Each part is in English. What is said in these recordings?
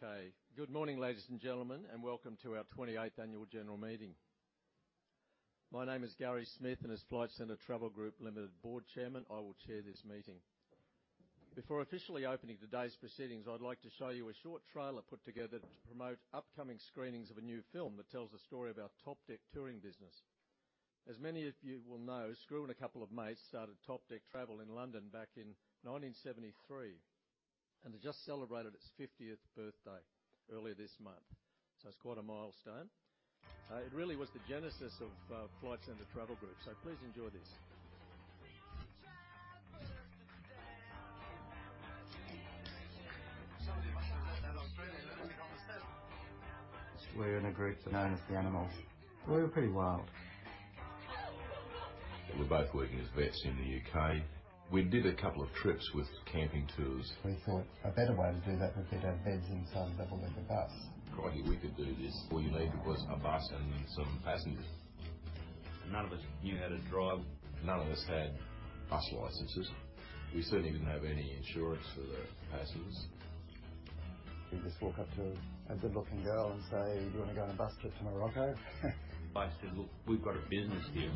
Okay. Good morning, ladies and gentlemen, and welcome to our 28th annual general meeting. My name is Gary Smith, and as Flight Centre Travel Group Limited Board Chairman, I will chair this meeting. Before officially opening today's proceedings, I'd like to show you a short trailer put together to promote upcoming screenings of a new film that tells a story about Topdeck touring business. As many of you will know, Skroo and a couple of mates started Topdeck Travel in London back in 1973, and it just celebrated its 50th birthday earlier this month. So it's quite a milestone. It really was the genesis of Flight Centre Travel Group, so please enjoy this. We were in a group known as The Animals. We were pretty wild. We were both working as vets in the U.K. We did a couple of trips with camping tours. We thought a better way to do that would be to have beds inside double-decker bus. Crikey, we could do this. All you need was a bus and some passengers. None of us knew how to drive. None of us had bus licenses. We certainly didn't have any insurance for the passengers. You just walk up to a good-looking girl and say, "You want to go on a bus trip to Morocco? I said, "Look, we've got a business here.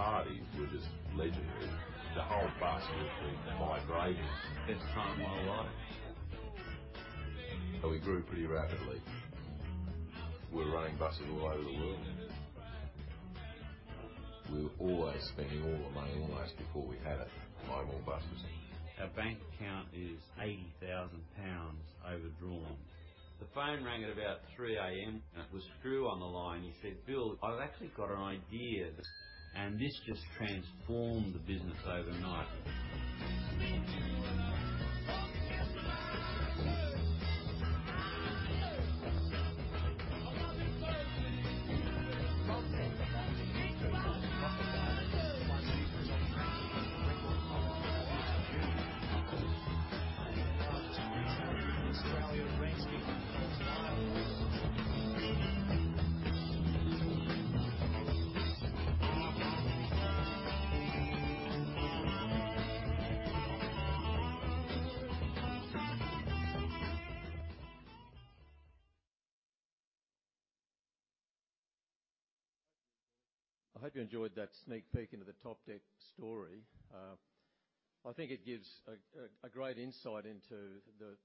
The parties were just legendary. The whole bus would just vibrate. Best time of my life. We grew pretty rapidly. We were running buses all over the world. We were always spending all the money almost before we had it to buy more buses. Our bank account is 80,000 pounds overdrawn. The phone rang at about 3:00 A.M., and it was Skroo on the line. He said, "Bill, I've actually got an idea." This just transformed the business overnight. I hope you enjoyed that sneak peek into the Topdeck story. I think it gives a great insight into the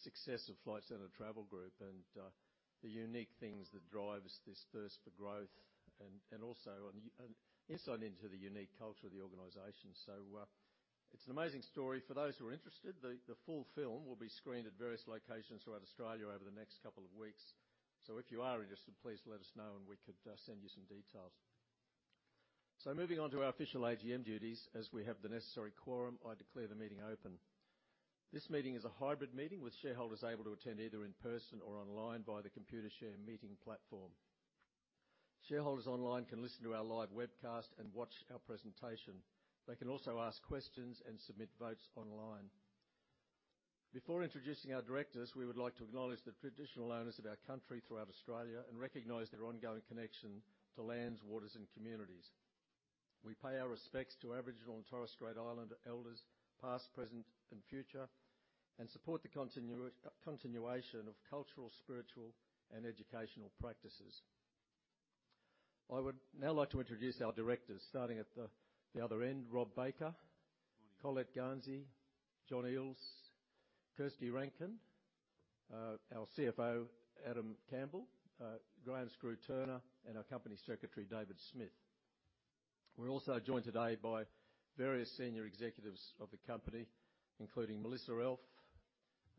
success of Flight Centre Travel Group and the unique things that drives this thirst for growth and also an insight into the unique culture of the organization. So, it's an amazing story. For those who are interested, the full film will be screened at various locations throughout Australia over the next couple of weeks. So if you are interested, please let us know, and we could send you some details. So moving on to our official AGM duties. As we have the necessary quorum, I declare the meeting open. This meeting is a hybrid meeting with shareholders able to attend either in person or online by the Computershare meeting platform. Shareholders online can listen to our live webcast and watch our presentation. They can also ask questions and submit votes online. Before introducing our directors, we would like to acknowledge the traditional owners of our country throughout Australia and recognize their ongoing connection to lands, waters, and communities. We pay our respects to Aboriginal and Torres Strait Islander elders, past, present, and future, and support the continuation of cultural, spiritual, and educational practices. I would now like to introduce our directors, starting at the other end, Rob Baker- Morning. Colette Garnsey, John Eales, Kirsty Rankin, our CFO, Adam Campbell, Graham "Skroo" Turner, and our Company Secretary, David Smith. We're also joined today by various senior executives of the company, including Melissa Elf,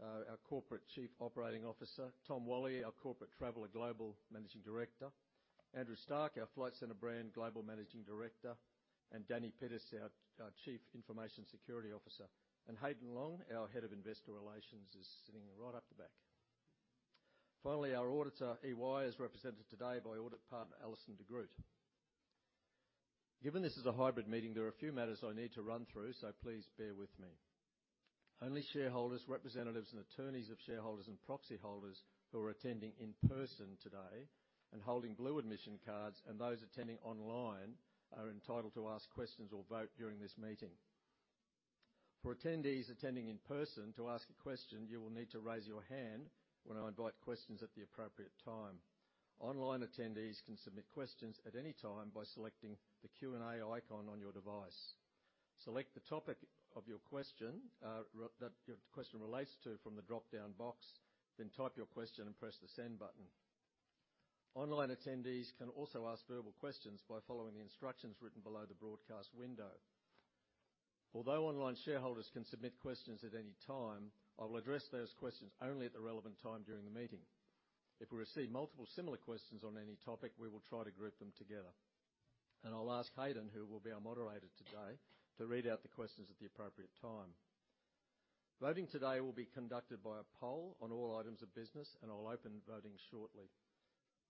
our Corporate Chief Operating Officer, Tom Walley, our Corporate Traveller Global Managing Director, Andrew Stark, our Flight Centre Brand Global Managing Director, and Danny Peters, our Chief Information Security Officer. Haydn Long, our Head of Investor Relations, is sitting right up the back. Finally, our auditor, EY, is represented today by Audit Partner Alison de Groot. Given this is a hybrid meeting, there are a few matters I need to run through, so please bear with me. Only shareholders, representatives and attorneys of shareholders and proxy holders who are attending in person today and holding blue admission cards and those attending online, are entitled to ask questions or vote during this meeting. For attendees attending in person, to ask a question, you will need to raise your hand when I invite questions at the appropriate time. Online attendees can submit questions at any time by selecting the Q&A icon on your device. Select the topic of your question, that your question relates to from the dropdown box, then type your question and press the Send button. Online attendees can also ask verbal questions by following the instructions written below the broadcast window. Although online shareholders can submit questions at any time, I will address those questions only at the relevant time during the meeting. If we receive multiple similar questions on any topic, we will try to group them together. I'll ask Haydn, who will be our moderator today, to read out the questions at the appropriate time. Voting today will be conducted by a poll on all items of business, and I'll open voting shortly.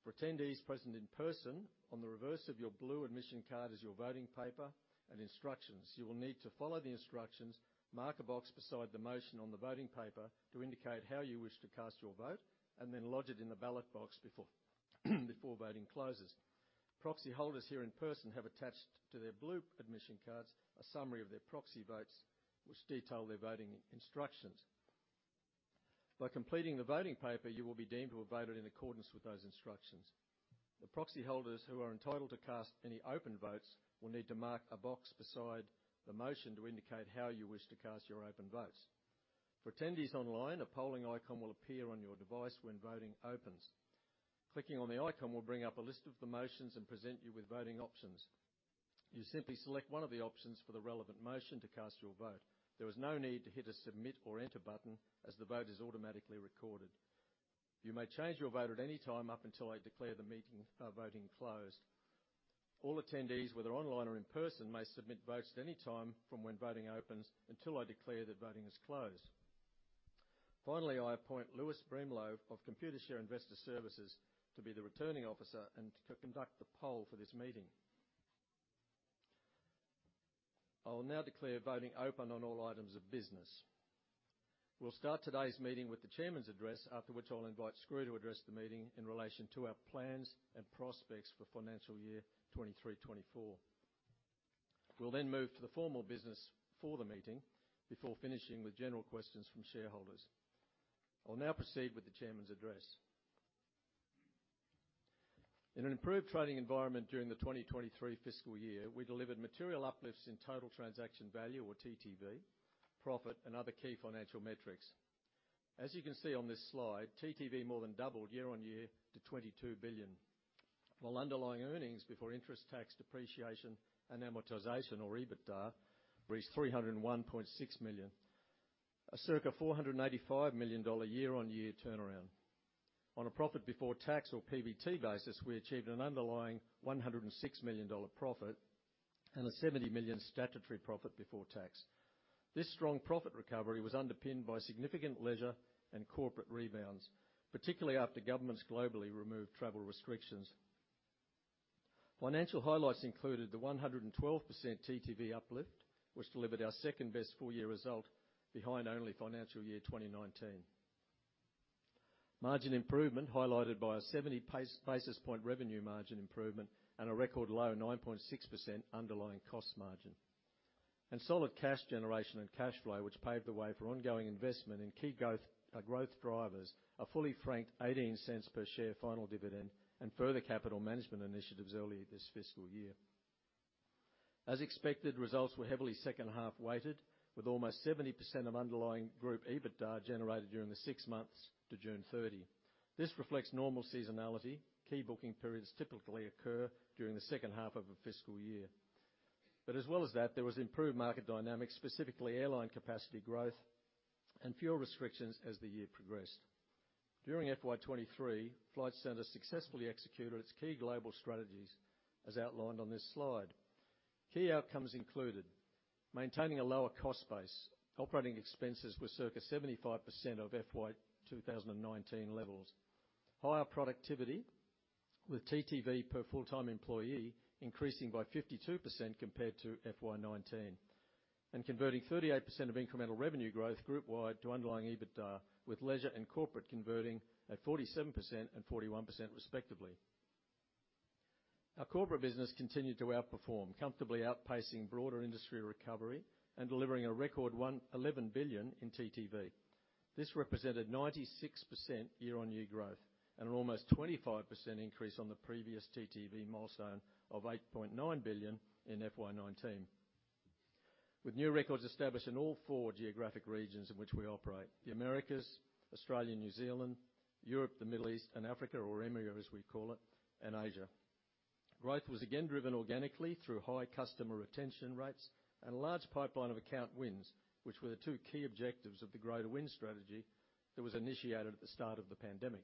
For attendees present in person, on the reverse of your blue admission card is your voting paper and instructions. You will need to follow the instructions, mark a box beside the motion on the voting paper to indicate how you wish to cast your vote, and then lodge it in the ballot box before voting closes. Proxy holders here in person have attached to their blue admission cards a summary of their proxy votes, which detail their voting instructions. By completing the voting paper, you will be deemed to have voted in accordance with those instructions. The proxy holders who are entitled to cast any open votes will need to mark a box beside the motion to indicate how you wish to cast your open votes. For attendees online, a polling icon will appear on your device when voting opens. Clicking on the icon will bring up a list of the motions and present you with voting options. You simply select one of the options for the relevant motion to cast your vote. There is no need to hit a Submit or Enter button, as the vote is automatically recorded. You may change your vote at any time up until I declare the meeting voting closed. All attendees, whether online or in person, may submit votes at any time from when voting opens until I declare that voting is closed. Finally, I appoint Lewis Brimlow of Computershare Investor Services to be the Returning Officer and to conduct the poll for this meeting. I will now declare voting open on all items of business. We'll start today's meeting with the chairman's address, after which I'll invite Skroo to address the meeting in relation to our plans and prospects for financial year 2023/2024. We'll then move to the formal business for the meeting before finishing with general questions from shareholders. I'll now proceed with the chairman's address. In an improved trading environment during the 2023 fiscal year, we delivered material uplifts in total transaction value, or TTV, profit and other key financial metrics. As you can see on this slide, TTV more than doubled year-on-year to 22 billion, while underlying earnings before interest, tax, depreciation, and amortization, or EBITDA, reached AUD 301.6 million. A circa AUD 485 million year-on-year turnaround. On a profit before tax, or PBT, basis, we achieved an underlying 106 million dollar profit and a 70 million statutory profit before tax. This strong profit recovery was underpinned by significant leisure and corporate rebounds, particularly after governments globally removed travel restrictions. Financial highlights included the 112% TTV uplift, which delivered our second-best full-year result, behind only financial year 2019. Margin improvement, highlighted by a 70 basis point revenue margin improvement and a record low 9.6% underlying cost margin. Solid cash generation and cash flow, which paved the way for ongoing investment in key growth drivers, a fully franked 0.18 per share final dividend, and further capital management initiatives early this fiscal year. As expected, results were heavily second-half weighted, with almost 70% of underlying group EBITDA generated during the six months to June 30. This reflects normal seasonality. Key booking periods typically occur during the second half of a fiscal year. But as well as that, there was improved market dynamics, specifically airline capacity growth and fewer restrictions as the year progressed. During FY 2023, Flight Centre successfully executed its key global strategies, as outlined on this slide. Key outcomes included: maintaining a lower cost base. Operating expenses were circa 75% of FY 2019 levels. Higher productivity, with TTV per full-time employee increasing by 52% compared to FY 2019. And converting 38% of incremental revenue growth group-wide to underlying EBITDA, with leisure and corporate converting at 47% and 41% respectively. Our corporate business continued to outperform, comfortably outpacing broader industry recovery and delivering a record 11 billion in TTV. This represented 96% year-on-year growth and an almost 25% increase on the previous TTV milestone of 8.9 billion in FY 2019. With new records established in all four geographic regions in which we operate: the Americas, Australia, New Zealand, Europe, the Middle East and Africa, or EMEA, as we call it, and Asia. Growth was again driven organically through high customer retention rates and a large pipeline of account wins, which were the two key objectives of the Grow to Win strategy that was initiated at the start of the pandemic.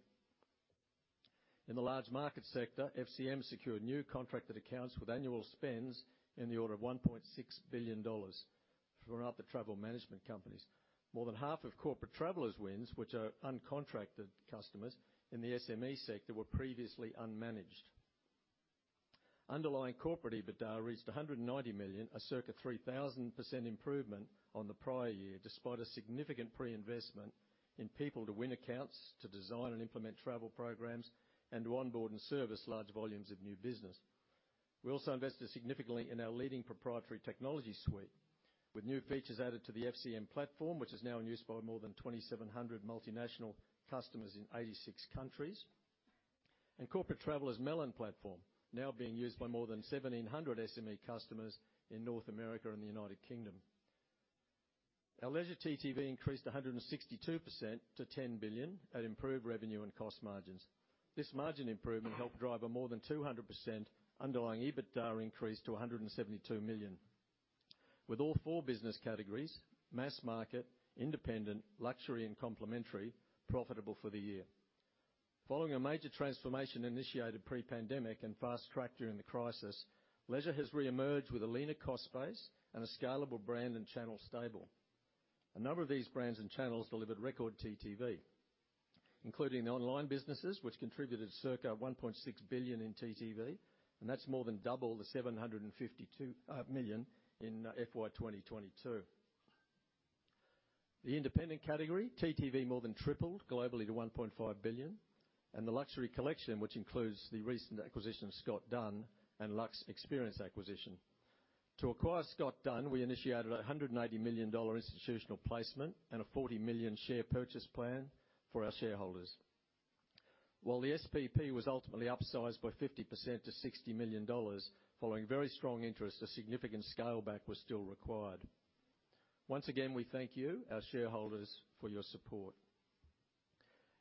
In the large market sector, FCM secured new contracted accounts with annual spends in the order of 1.6 billion dollars from other travel management companies. More than half of Corporate Traveller's wins, which are uncontracted customers in the SME sector, were previously unmanaged. Underlying corporate EBITDA reached 190 million, a circa 3,000% improvement on the prior year, despite a significant pre-investment in people to win accounts, to design and implement travel programs, and to onboard and service large volumes of new business. We also invested significantly in our leading proprietary technology suite, with new features added to the FCM Platform, which is now in use by more than 2,700 multinational customers in 86 countries. Corporate Traveller's Melon platform, now being used by more than 1,700 SME customers in North America and the United Kingdom. Our leisure TTV increased 162% to 10 billion at improved revenue and cost margins. This margin improvement helped drive a more than 200% underlying EBITDA increase to 172 million. With all four business categories, mass market, independent, luxury, and complimentary, profitable for the year. Following a major transformation initiated pre-pandemic and fast-tracked during the crisis, leisure has reemerged with a leaner cost base and a scalable brand and channel stable.... A number of these brands and channels delivered record TTV, including the online businesses, which contributed circa 1.6 billion in TTV, and that's more than double the 752 million in FY 2022. The independent category, TTV more than tripled globally to 1.5 billion, and the luxury collection, which includes the recent acquisition of Scott Dunn and Luxperience acquisition. To acquire Scott Dunn, we initiated 180 million dollar institutional placement and a 40 million share purchase plan for our shareholders. While the SPP was ultimately upsized by 50% to 60 million dollars following very strong interest, a significant scale back was still required. Once again, we thank you, our shareholders, for your support.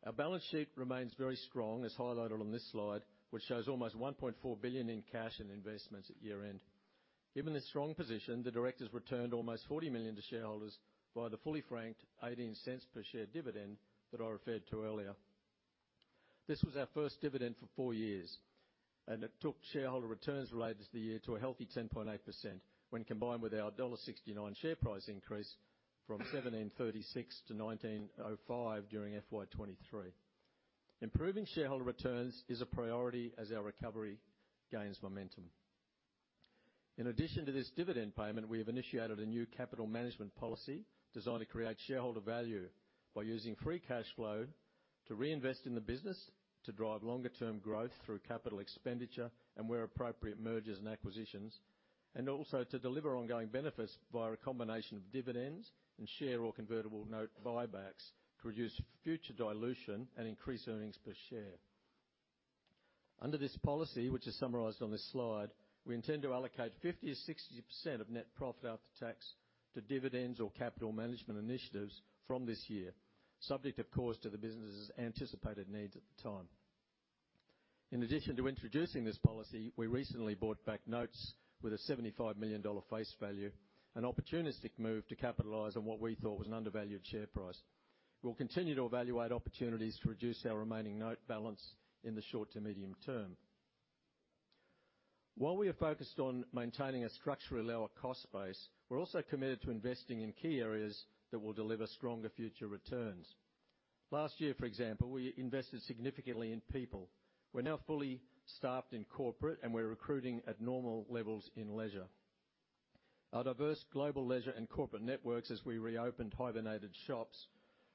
Our balance sheet remains very strong, as highlighted on this slide, which shows almost 1.4 billion in cash and investments at year-end. Given this strong position, the directors returned almost 40 million to shareholders via the fully franked 0.18 per share dividend that I referred to earlier. This was our first dividend for 4 years, and it took shareholder returns related to the year to a healthy 10.8% when combined with our dollar 0.69 share price increase from 17.36 to 19.05 during FY 2023. Improving shareholder returns is a priority as our recovery gains momentum. In addition to this dividend payment, we have initiated a new capital management policy designed to create shareholder value by using free cash flow to reinvest in the business, to drive longer-term growth through capital expenditure, and where appropriate, mergers and acquisitions, and also to deliver ongoing benefits via a combination of dividends and share or convertible note buybacks to reduce future dilution and increase earnings per share. Under this policy, which is summarized on this slide, we intend to allocate 50%-60% of net profit after tax to dividends or capital management initiatives from this year, subject, of course, to the business's anticipated needs at the time. In addition to introducing this policy, we recently bought back notes with a 75 million dollar face value, an opportunistic move to capitalize on what we thought was an undervalued share price. We'll continue to evaluate opportunities to reduce our remaining note balance in the short to medium term. While we are focused on maintaining a structurally lower cost base, we're also committed to investing in key areas that will deliver stronger future returns. Last year, for example, we invested significantly in people. We're now fully staffed in corporate, and we're recruiting at normal levels in leisure. Our diverse global leisure and corporate networks, as we reopened hibernated shops,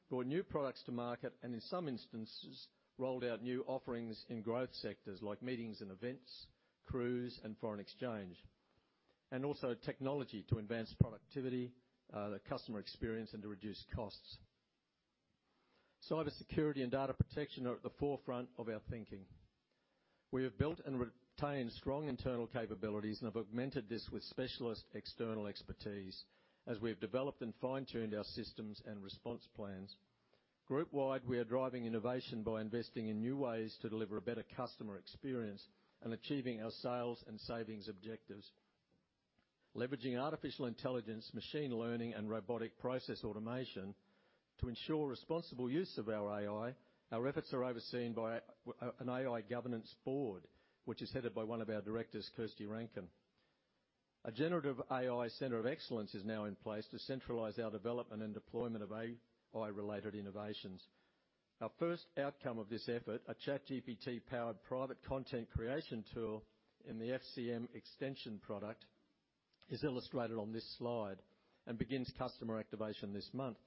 brought new products to market, and in some instances, rolled out new offerings in growth sectors like meetings and events, cruise, and foreign exchange, and also technology to advance productivity, the customer experience, and to reduce costs. Cybersecurity and data protection are at the forefront of our thinking. We have built and retained strong internal capabilities and have augmented this with specialist external expertise as we've developed and fine-tuned our systems and response plans. Group-wide, we are driving innovation by investing in new ways to deliver a better customer experience and achieving our sales and savings objectives. Leveraging artificial intelligence, machine learning, and robotic process automation to ensure responsible use of our AI, our efforts are overseen by an AI governance board, which is headed by one of our directors, Kirsty Rankin. A Generative AI center of excellence is now in place to centralize our development and deployment of AI-related innovations. Our first outcome of this effort, a ChatGPT-powered private content creation tool in the FCM Extension product, is illustrated on this slide and begins customer activation this month.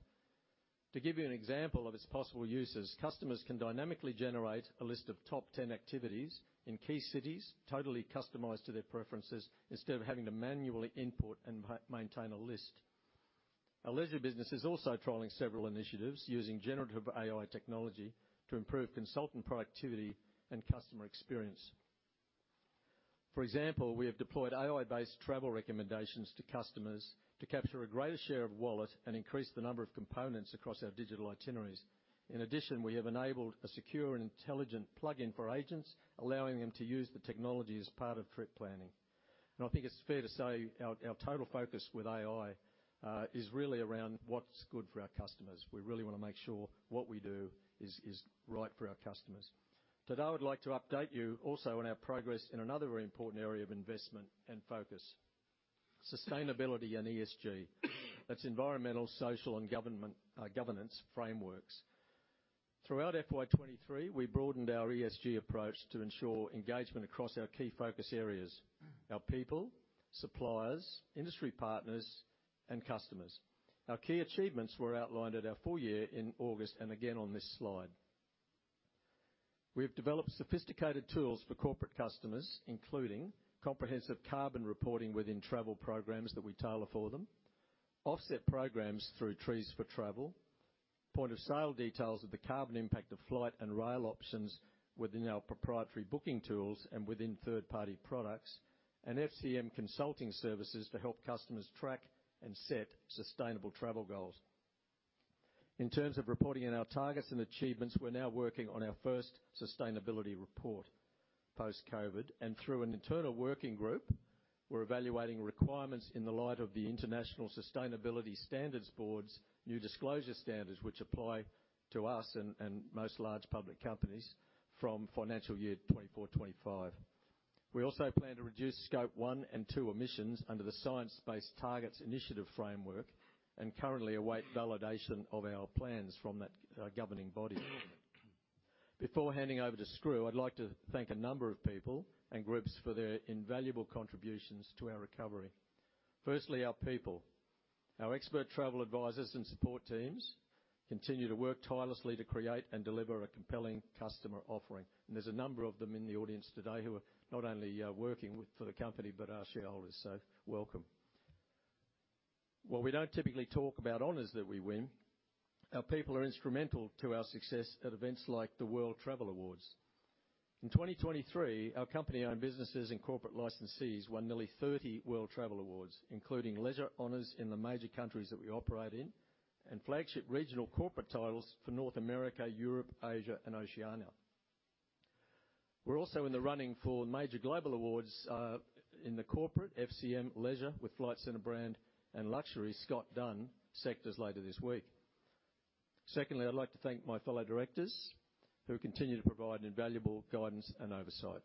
To give you an example of its possible uses, customers can dynamically generate a list of top 10 activities in key cities, totally customized to their preferences, instead of having to manually input and maintain a list. Our leisure business is also trialing several initiatives using Generative AI technology to improve consultant productivity and customer experience. For example, we have deployed AI-based travel recommendations to customers to capture a greater share of wallet and increase the number of components across our digital itineraries. In addition, we have enabled a secure and intelligent plugin for agents, allowing them to use the technology as part of trip planning. I think it's fair to say our total focus with AI is really around what's good for our customers. We really want to make sure what we do is right for our customers. Today, I would like to update you also on our progress in another very important area of investment and focus, sustainability and ESG. That's environmental, social, and governance frameworks. Throughout FY 2023, we broadened our ESG approach to ensure engagement across our key focus areas: our people, suppliers, industry partners, and customers. Our key achievements were outlined at our full year in August and again on this slide. We have developed sophisticated tools for corporate customers, including comprehensive carbon reporting within travel programs that we tailor for them, offset programs through Trees4Travel, point-of-sale details of the carbon impact of flight and rail options within our proprietary booking tools and within third-party products, and FCM consulting services to help customers track and set sustainable travel goals. In terms of reporting on our targets and achievements, we're now working on our first sustainability report post-COVID, and through an internal working group, we're evaluating requirements in the light of the International Sustainability Standards Board's new disclosure standards, which apply to us and most large public companies from financial year 2024/2025. We also plan to reduce Scope 1 and 2 emissions under the Science-Based Targets Initiative framework, and currently await validation of our plans from that governing body. Before handing over to Skroo, I'd like to thank a number of people and groups for their invaluable contributions to our recovery. Firstly, our people. Our expert travel advisors and support teams continue to work tirelessly to create and deliver a compelling customer offering, and there's a number of them in the audience today who are not only working with, for the company, but are shareholders. So, welcome. While we don't typically talk about honors that we win, our people are instrumental to our success at events like the World Travel Awards. In 2023, our company-owned businesses and corporate licensees won nearly 30 World Travel Awards, including leisure honors in the major countries that we operate in, and flagship regional corporate titles for North America, Europe, Asia, and Oceania. We're also in the running for major global awards in the corporate FCM, leisure, with Flight Centre brand, and luxury Scott Dunn sectors later this week. Secondly, I'd like to thank my fellow directors, who continue to provide invaluable guidance and oversight.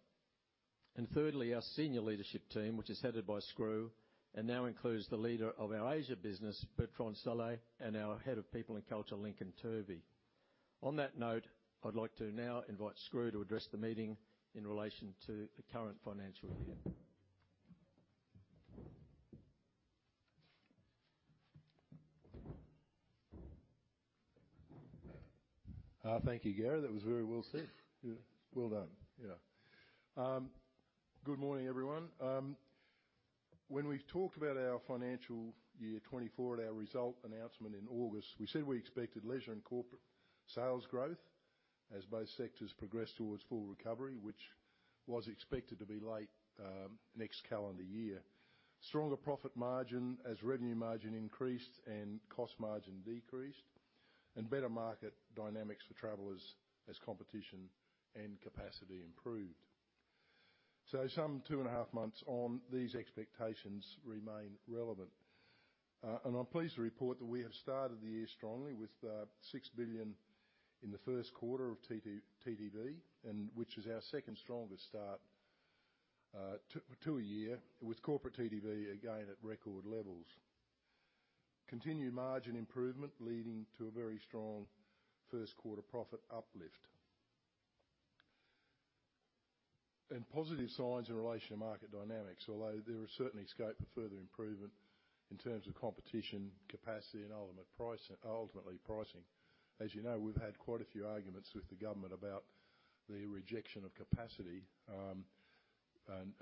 And thirdly, our senior leadership team, which is headed by Skroo, and now includes the leader of our Asia business, Bertrand Saillet, and our Head of People and Culture, Lincoln Turvey. On that note, I'd like to now invite Skroo to address the meeting in relation to the current financial year. Thank you, Gary. That was very well said. Yeah, well done. Yeah. Good morning, everyone. When we talked about our financial year 2024 at our result announcement in August, we said we expected leisure and corporate sales growth as both sectors progressed towards full recovery, which was expected to be late next calendar year. Stronger profit margin as revenue margin increased and cost margin decreased, and better market dynamics for travelers as competition and capacity improved. So some two and a half months on, these expectations remain relevant. And I'm pleased to report that we have started the year strongly, with 6 billion in the first quarter of TTV, and which is our second strongest start to a year, with corporate TTV again at record levels. Continued margin improvement, leading to a very strong first quarter profit uplift. Positive signs in relation to market dynamics, although there is certainly scope for further improvement in terms of competition, capacity, and ultimate price, ultimately pricing. As you know, we've had quite a few arguments with the government about the rejection of capacity and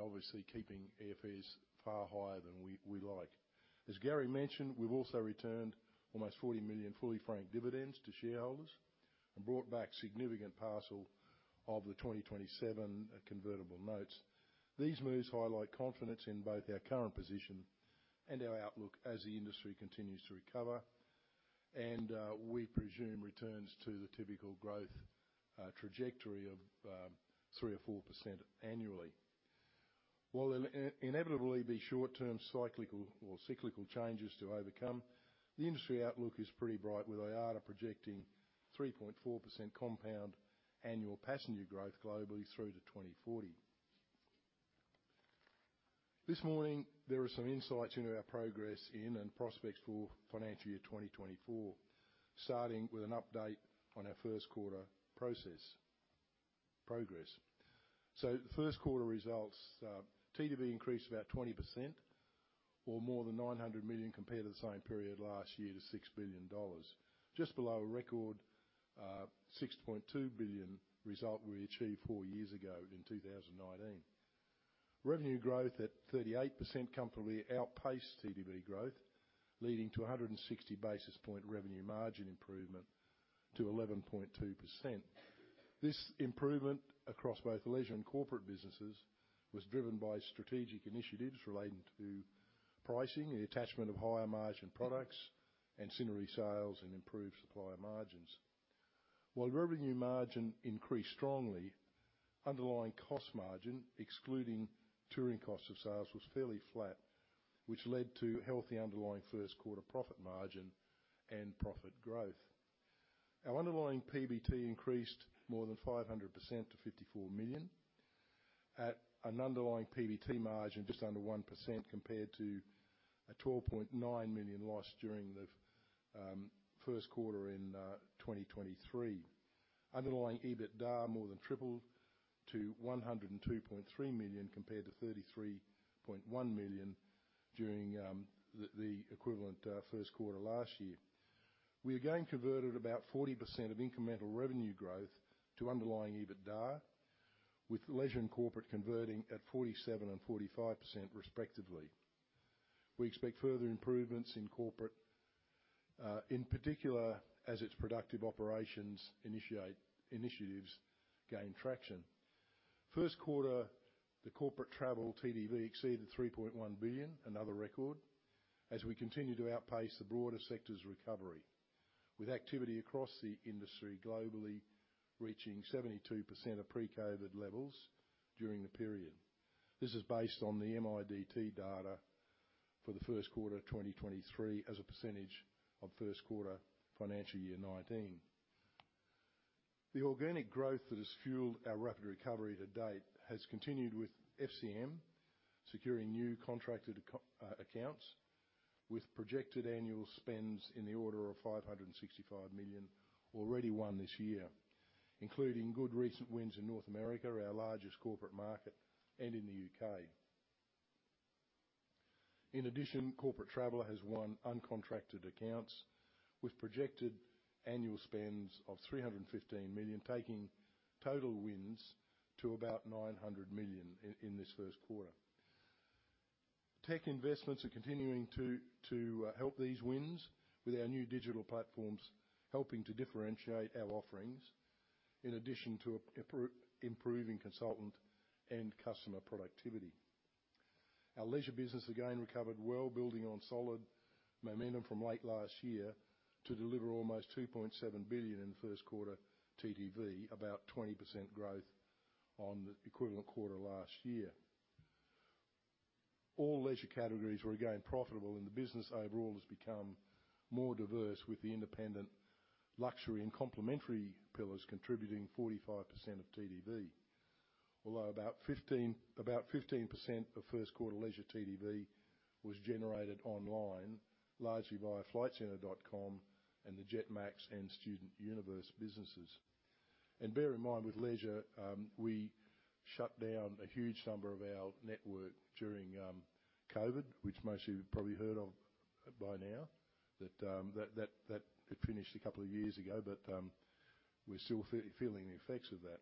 obviously keeping airfares far higher than we like. As Gary mentioned, we've also returned almost 40 million fully franked dividends to shareholders and brought back significant parcel of the 2027 convertible notes. These moves highlight confidence in both our current position and our outlook as the industry continues to recover, and we presume returns to the typical growth trajectory of 3% or 4% annually. While there'll inevitably be short-term cyclical changes to overcome, the industry outlook is pretty bright, with IATA projecting 3.4% compound annual passenger growth globally through to 2040. This morning, there are some insights into our progress in and prospects for financial year 2024, starting with an update on our first quarter progress. The first quarter results, TTV increased about 20% or more than 900 million compared to the same period last year, to 6 billion dollars, just below a record, 6.2 billion result we achieved four years ago in 2019. Revenue growth at 38% comfortably outpaced TTV growth, leading to a 160 basis point revenue margin improvement to 11.2%. This improvement across both leisure and corporate businesses was driven by strategic initiatives relating to pricing, the attachment of higher margin products, and ancillary sales and improved supplier margins. While revenue margin increased strongly, underlying cost margin, excluding touring costs of sales, was fairly flat, which led to healthy underlying first quarter profit margin and profit growth. Our underlying PBT increased more than 500% to 54 million, at an underlying PBT margin just under 1%, compared to an 12.9 million loss during the first quarter in 2023. Underlying EBITDA more than tripled to 102.3 million, compared to 33.1 million during the equivalent first quarter last year. We again converted about 40% of incremental revenue growth to underlying EBITDA, with leisure and corporate converting at 47% and 45% respectively. We expect further improvements in corporate in particular, as its productive operations initiatives gain traction. First quarter, the corporate travel TDV exceeded 3.1 billion, another record, as we continue to outpace the broader sector's recovery, with activity across the industry globally reaching 72% of pre-COVID levels during the period. This is based on the MIDT data for the first quarter of 2023, as a percentage of first quarter financial year 2019. The organic growth that has fueled our rapid recovery to date has continued with FCM securing new contracted accounts, with projected annual spends in the order of 565 million already won this year, including good recent wins in North America, our largest corporate market, and in the UK. In addition, Corporate Traveller has won uncontracted accounts with projected annual spends of 315 million, taking total wins to about 900 million in this first quarter. Tech investments are continuing to help these wins, with our new digital platforms helping to differentiate our offerings, in addition to improving consultant and customer productivity. Our leisure business again recovered well, building on solid momentum from late last year, to deliver almost 2.7 billion in first quarter TTV, about 20% growth on the equivalent quarter last year. All leisure categories were again profitable, and the business overall has become more diverse, with the independent luxury and complimentary pillars contributing 45% of TTV. Although about 15% of first quarter leisure TTV was generated online, largely via FlightCentre.com and the Jetmax and StudentUniverse businesses. Bear in mind, with leisure, we shut down a huge number of our network during COVID, which most of you have probably heard of by now, that it finished a couple of years ago. But we're still feeling the effects of that.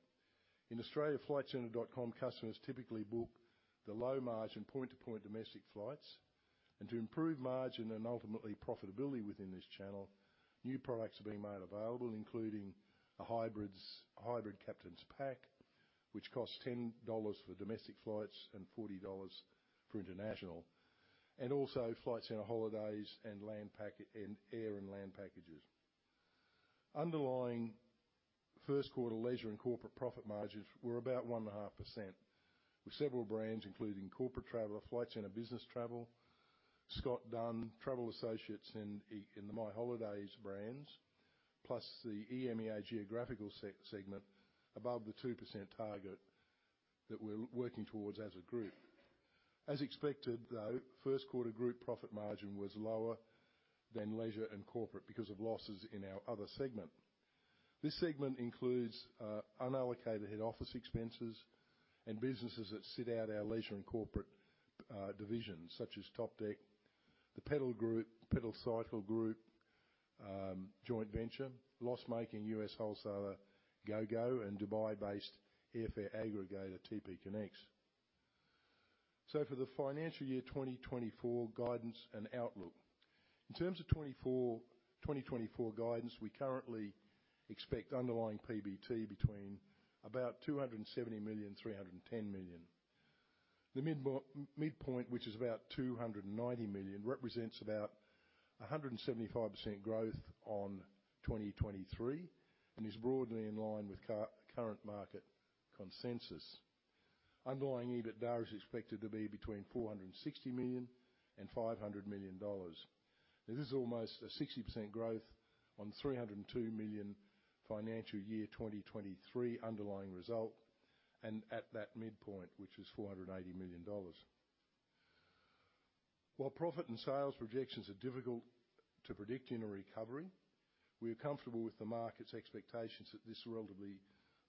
In Australia, FlightCentre.com customers typically book the low-margin, point-to-point domestic flights. And to improve margin and ultimately profitability within this channel, new products are being made available, including a hybrid Captain's Pack, which costs 10 dollars for domestic flights and 40 dollars for international, and also Flight Centre Holidays and air and land packages. Underlying first quarter leisure and corporate profit margins were about 1.5%, with several brands, including Corporate Travel, Flight Centre Business Travel, Scott Dunn, Travel Associates, and the My Holidays brands, plus the EMEA geographical segment, above the 2% target that we're working towards as a group. As expected, though, first quarter group profit margin was lower than leisure and corporate because of losses in our other segment. This segment includes unallocated head office expenses and businesses that sit outside our leisure and corporate divisions, such as Topdeck, the Pedal Group, Pedal Cycle Group, joint venture, loss-making US wholesaler GOGO, and Dubai-based airfare aggregator TPConnects. For the financial year 2024 guidance and outlook. In terms of 2024 guidance, we currently expect underlying PBT between about 270 million and 310 million. The midpoint, which is about 290 million, represents about 175% growth on 2023 and is broadly in line with current market consensus. Underlying EBITDA is expected to be between 460 million and 500 million dollars. Now, this is almost a 60% growth on 302 million financial year 2023 underlying result, and at that midpoint, which is 480 million dollars. While profit and sales projections are difficult to predict in a recovery, we are comfortable with the market's expectations at this relatively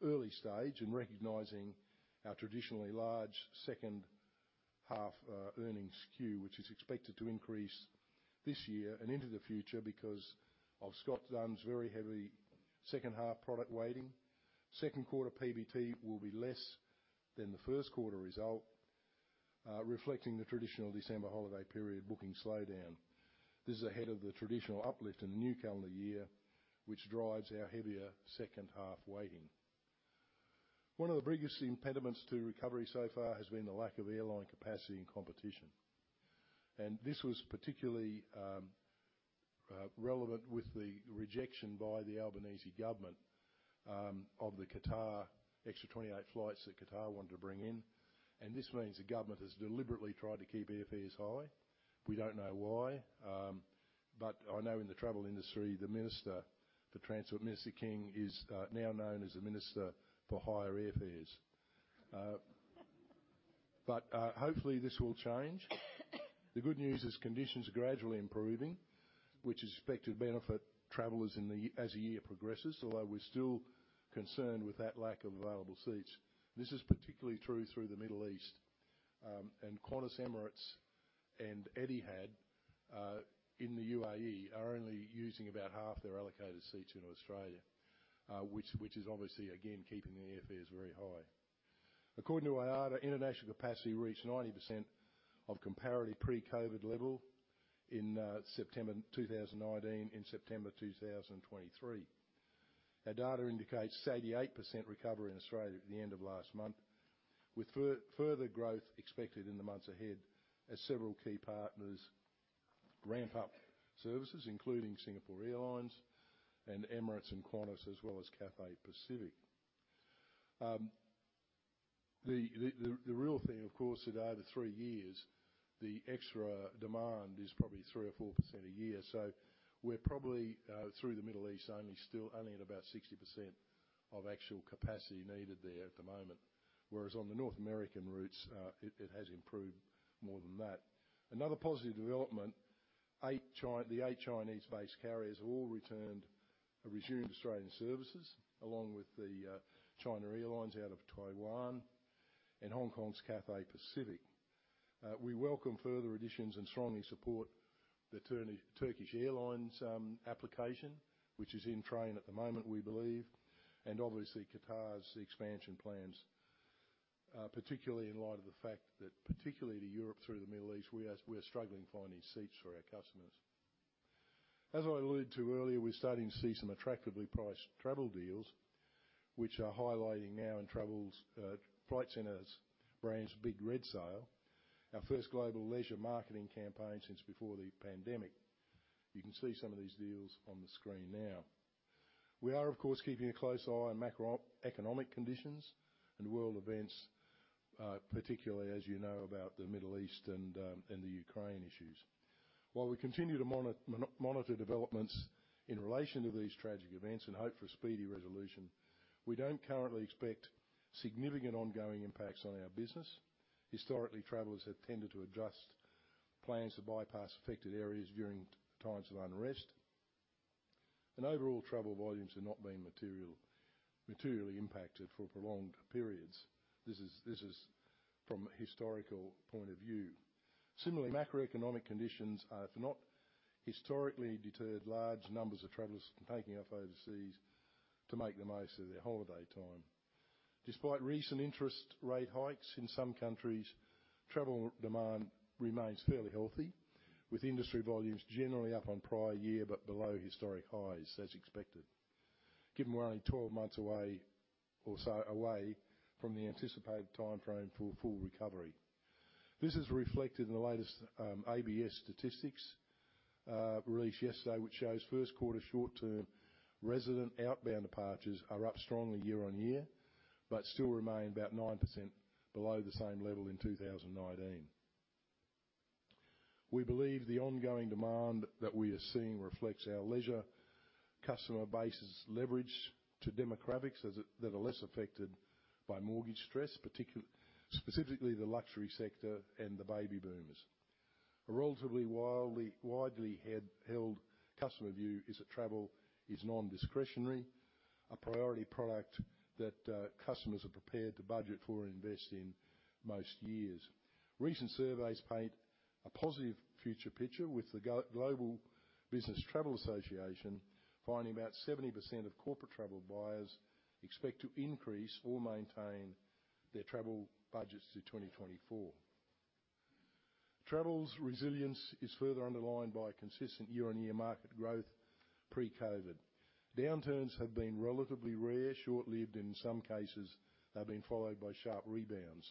early stage, and recognizing our traditionally large second half, earnings skew, which is expected to increase this year and into the future because of Scott Dunn's very heavy second half product weighting. Second quarter PBT will be less than the first quarter result, reflecting the traditional December holiday period booking slowdown. This is ahead of the traditional uplift in the new calendar year, which drives our heavier second half weighting. One of the biggest impediments to recovery so far has been the lack of airline capacity and competition, and this was particularly relevant with the rejection by the Albanese government of the Qatar extra 28 flights that Qatar wanted to bring in. This means the government has deliberately tried to keep airfares high. We don't know why, but I know in the travel industry, the Minister for Transport, Minister King, is now known as the Minister for Higher Airfares. But hopefully, this will change. The good news is conditions are gradually improving, which is expected to benefit travelers in the, as the year progresses, although we're still concerned with that lack of available seats. This is particularly true through the Middle East. And Qantas, Emirates, and Etihad in the UAE are only using about half their allocated seats into Australia, which, which is obviously, again, keeping the airfares very high. According to IATA, international capacity reached 90% of comparative pre-COVID level in September 2019, in September 2023. Our data indicates 88% recovery in Australia at the end of last month, with further growth expected in the months ahead, as several key partners ramp up services, including Singapore Airlines and Emirates and Qantas, as well as Cathay Pacific. The real thing, of course, is that over three years, the extra demand is probably 3 or 4% a year. So we're probably through the Middle East only, still only at about 60% of actual capacity needed there at the moment. Whereas on the North American routes, it has improved more than that. Another positive development, the eight Chinese-based carriers have all returned or resumed Australian services, along with the China Airlines out of Taiwan and Hong Kong's Cathay Pacific. We welcome further additions and strongly support the Turkish Airlines application, which is in train at the moment, we believe, and obviously Qatar's expansion plans. Particularly in light of the fact that particularly to Europe through the Middle East, we are struggling finding seats for our customers. As I alluded to earlier, we're starting to see some attractively priced travel deals, which are highlighting now in travels, Flight Centre's brand's Big Red Sale, our first global leisure marketing campaign since before the pandemic. You can see some of these deals on the screen now. We are, of course, keeping a close eye on macroeconomic conditions and world events, particularly, as you know, about the Middle East and the Ukraine issues. While we continue to monitor developments in relation to these tragic events and hope for a speedy resolution, we don't currently expect significant ongoing impacts on our business. Historically, travelers have tended to adjust plans to bypass affected areas during times of unrest, and overall travel volumes have not been materially impacted for prolonged periods. This is from a historical point of view. Similarly, macroeconomic conditions have not historically deterred large numbers of travelers from taking off overseas to make the most of their holiday time. Despite recent interest rate hikes in some countries, travel demand remains fairly healthy, with industry volumes generally up on prior year, but below historic highs, as expected, given we're only 12 months away or so away from the anticipated timeframe for full recovery. This is reflected in the latest ABS statistics released yesterday, which shows first quarter short-term resident outbound departures are up strongly year-on-year, but still remain about 9% below the same level in 2019. We believe the ongoing demand that we are seeing reflects our leisure customer base's leverage to demographics that are less affected by mortgage stress, specifically the luxury sector and the baby boomers. A relatively wildly, widely held customer view is that travel is non-discretionary, a priority product that customers are prepared to budget for and invest in most years. Recent surveys paint a positive future picture, with the Global Business Travel Association finding about 70% of corporate travel buyers expect to increase or maintain their travel budgets through 2024. Travel's resilience is further underlined by consistent year-on-year market growth pre-COVID. Downturns have been relatively rare, short-lived; in some cases, have been followed by sharp rebounds,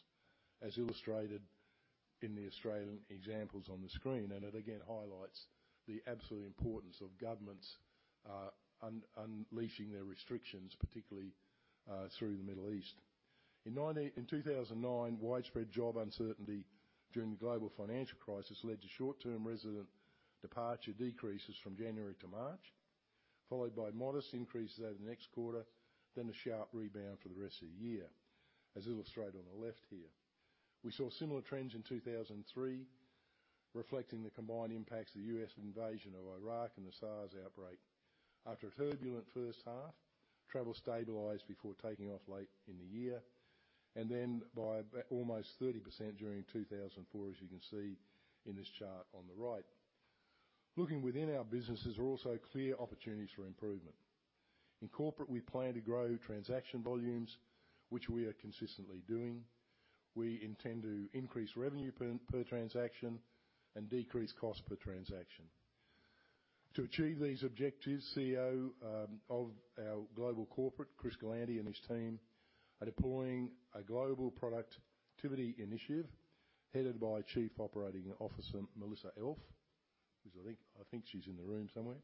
as illustrated in the Australian examples on the screen, and it again highlights the absolute importance of governments unleashing their restrictions, particularly through the Middle East. In 2009, widespread job uncertainty during the global financial crisis led to short-term resident departure decreases from January to March, followed by modest increases over the next quarter, then a sharp rebound for the rest of the year, as illustrated on the left here. We saw similar trends in 2003, reflecting the combined impacts of the U.S. invasion of Iraq and the SARS outbreak. After a turbulent first half, travel stabilized before taking off late in the year, and then by about almost 30% during 2004, as you can see in this chart on the right. Looking within our businesses are also clear opportunities for improvement. In corporate, we plan to grow transaction volumes, which we are consistently doing. We intend to increase revenue per, per transaction and decrease cost per transaction. To achieve these objectives, CEO of our global corporate, Chris Galanty and his team, are deploying a global productivity initiative headed by Chief Operating Officer Melissa Elf, who's I think, I think she's in the room somewhere.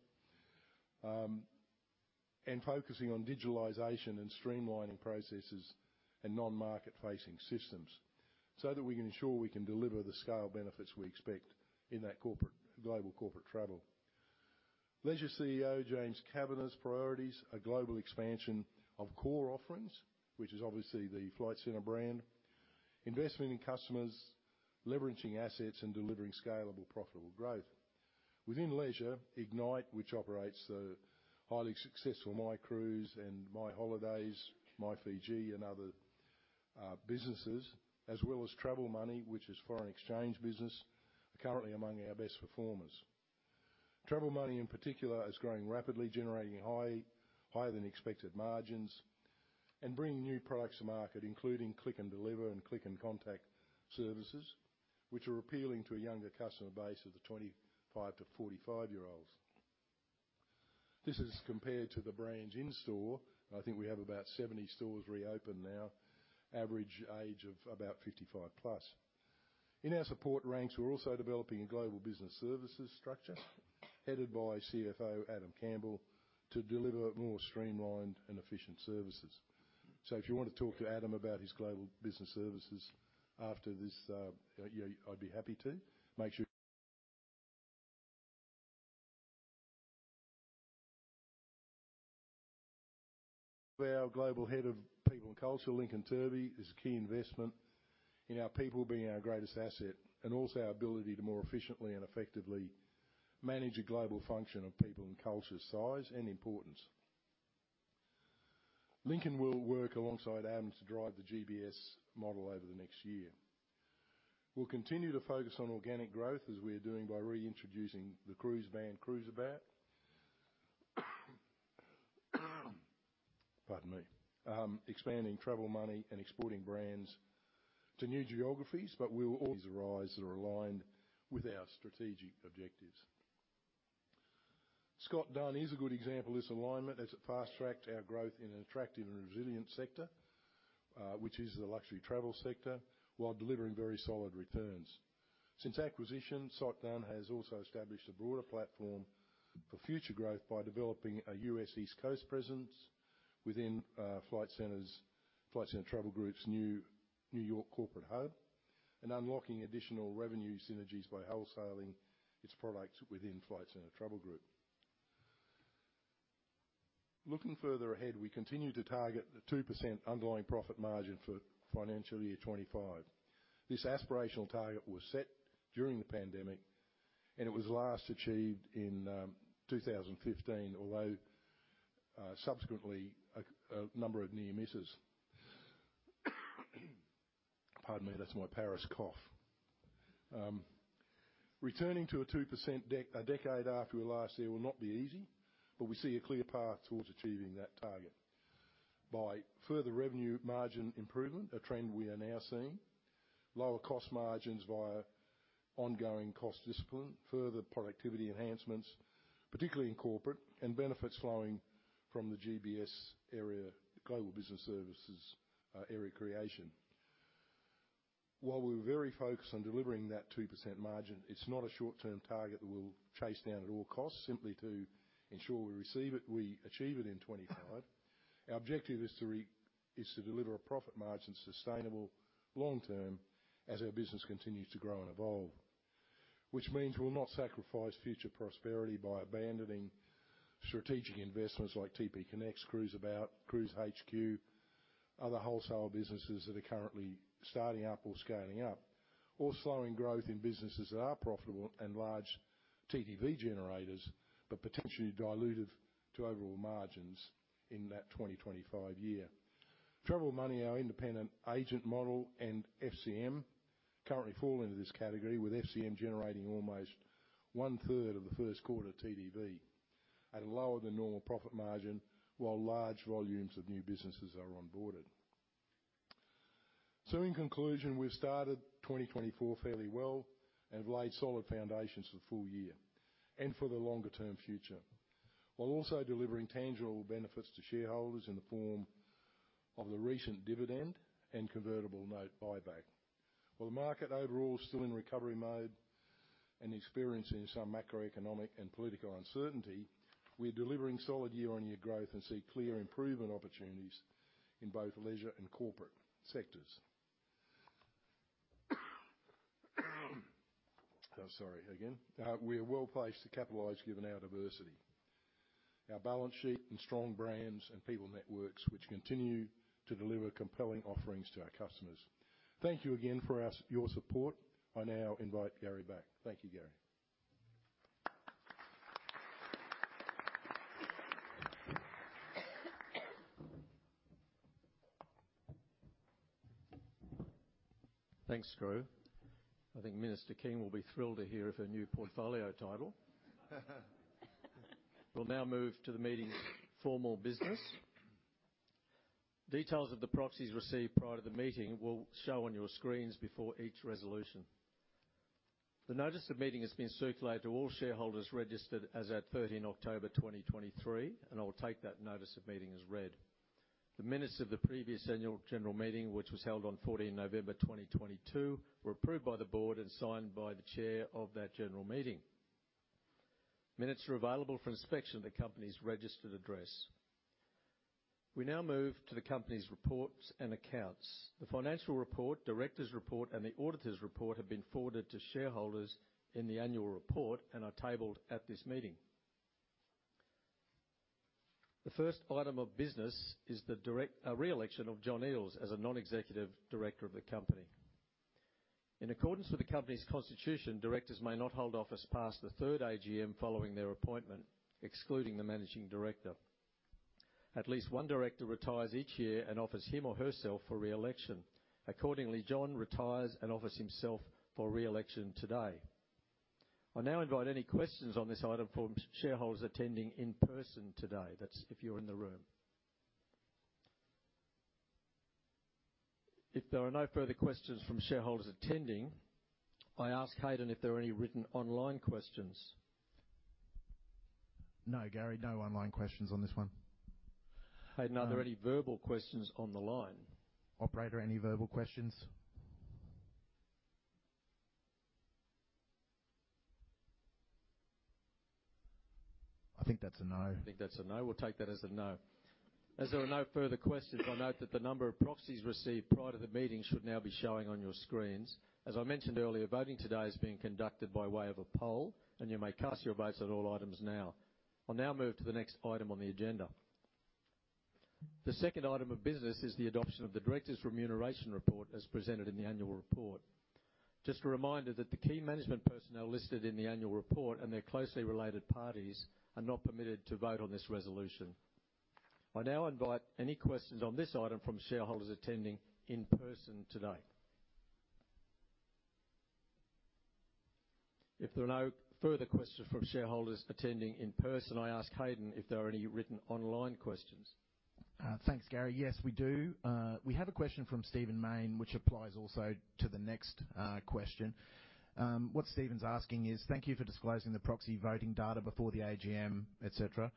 And focusing on digitalization and streamlining processes and non-market facing systems so that we can ensure we can deliver the scale benefits we expect in that corporate-global corporate travel. Leisure CEO James Kavanagh's priorities are global expansion of core offerings, which is obviously the Flight Centre brand, investment in customers, leveraging assets, and delivering scalable, profitable growth. Within leisure, Ignite, which operates the highly successful MyCruise and MyHolidays, MyFiji, and other businesses, as well as Travel Money, which is foreign exchange business, are currently among our best performers. Money, in particular, is growing rapidly, generating high, higher-than-expected margins and bringing new products to market, including Click and Deliver and Click and Contact services, which are appealing to a younger customer base of the 25- to 45-year-olds. This is compared to the branch in-store. I think we have about 70 stores reopened now, average age of about 55+. In our support ranks, we're also developing a global business services structure, headed by CFO Adam Campbell, to deliver more streamlined and efficient services. So if you want to talk to Adam about his global business services after this, yeah, I'd be happy to. Our Global Head of People and Culture, Lincoln Turvey, is a key investment in our people being our greatest asset, and also our ability to more efficiently and effectively manage a global function of people and culture, size, and importance. Lincoln will work alongside Adam to drive the GBS model over the next year. We'll continue to focus on organic growth as we're doing by reintroducing the cruise brand, Cruiseabout. Pardon me. Expanding travel money and exporting brands to new geographies, but we will also acquire assets that are aligned with our strategic objectives. Scott Dunn is a good example of this alignment, as it fast-tracked our growth in an attractive and resilient sector, which is the luxury travel sector, while delivering very solid returns. Since acquisition, Scott Dunn has also established a broader platform for future growth by developing a U.S. East Coast presence within, Flight Centre's, Flight Centre Travel Group's new New York corporate hub and unlocking additional revenue synergies by wholesaling its products within Flight Centre Travel Group. Looking further ahead, we continue to target the 2% underlying profit margin for financial year 2025. This aspirational target was set during the pandemic, and it was last achieved in 2015, although subsequently a number of near misses. Pardon me, that's my Paris cough. Returning to a 2% a decade after we last year will not be easy, but we see a clear path towards achieving that target. By further revenue margin improvement, a trend we are now seeing, lower cost margins via ongoing cost discipline, further productivity enhancements, particularly in corporate, and benefits flowing from the GBS area, Global Business Services, area creation. While we're very focused on delivering that 2% margin, it's not a short-term target that we'll chase down at all costs simply to ensure we receive it, we achieve it in 2025. Our objective is to deliver a profit margin, sustainable long term, as our business continues to grow and evolve. Which means we'll not sacrifice future prosperity by abandoning strategic investments like TPConnects, Cruiseabout, CruiseHQ, other wholesale businesses that are currently starting up or scaling up, or slowing growth in businesses that are profitable and large TTV generators, but potentially dilutive to overall margins in that 2025 year. Travel Money, our independent agent model, and FCM currently fall into this category, with FCM generating almost one-third of the first quarter TTV at a lower-than-normal profit margin, while large volumes of new businesses are onboarded. So in conclusion, we've started 2024 fairly well and have laid solid foundations for the full year and for the longer-term future, while also delivering tangible benefits to shareholders in the form of the recent dividend and convertible note buyback. While the market overall is still in recovery mode and experiencing some macroeconomic and political uncertainty, we're delivering solid year-on-year growth and see clear improvement opportunities in both leisure and corporate sectors. I'm sorry again. We are well placed to capitalize given our diversity, our balance sheet, and strong brands and people networks, which continue to deliver compelling offerings to our customers. Thank you again for our, your support. I now invite Gary back. Thank you, Gary. Thanks, Skroo. I think Minister King will be thrilled to hear of her new portfolio title. We'll now move to the meeting's formal business. Details of the proxies received prior to the meeting will show on your screens before each resolution. The notice of meeting has been circulated to all shareholders registered as at 13th October 2023, and I'll take that notice of meeting as read. The minutes of the previous annual general meeting, which was held on 14th November 2022, were approved by the board and signed by the chair of that general meeting. Minutes are available for inspection at the company's registered address. We now move to the company's reports and accounts. The financial report, directors' report, and the auditors' report have been forwarded to shareholders in the annual report and are tabled at this meeting. The first item of business is the director's re-election of John Eales as a non-executive director of the company. In accordance with the company's constitution, directors may not hold office past the third AGM following their appointment, excluding the managing director. At least one director retires each year and offers him or herself for re-election. Accordingly, John retires and offers himself for re-election today. I now invite any questions on this item from shareholders attending in person today. That's if you're in the room. If there are no further questions from shareholders attending, I ask Haydn if there are any written online questions?... No, Gary, no online questions on this one. Haydn, are there any verbal questions on the line? Operator, any verbal questions? I think that's a no. I think that's a no. We'll take that as a no. As there are no further questions, I note that the number of proxies received prior to the meeting should now be showing on your screens. As I mentioned earlier, voting today is being conducted by way of a poll, and you may cast your votes on all items now. I'll now move to the next item on the agenda. The second item of business is the adoption of the directors' remuneration report, as presented in the annual report. Just a reminder that the key management personnel listed in the annual report and their closely related parties are not permitted to vote on this resolution. I now invite any questions on this item from shareholders attending in person today. If there are no further questions from shareholders attending in person, I ask Haydn if there are any written online questions. Thanks, Gary. Yes, we do. We have a question from Stephen Mayne, which applies also to the next question. What Stephen's asking is: "Thank you for disclosing the proxy voting data before the AGM, et cetera.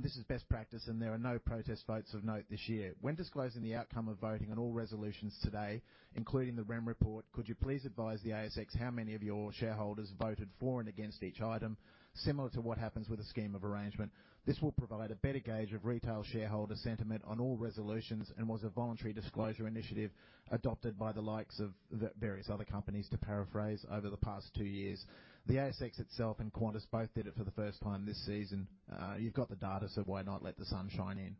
This is best practice, and there are no protest votes of note this year. When disclosing the outcome of voting on all resolutions today, including the REM report, could you please advise the ASX how many of your shareholders voted for and against each item, similar to what happens with a scheme of arrangement? This will provide a better gauge of retail shareholder sentiment on all resolutions and was a voluntary disclosure initiative adopted by the likes of various other companies, to paraphrase, over the past two years. The ASX itself and Qantas both did it for the first time this season. You've got the data, so why not let the sun shine in?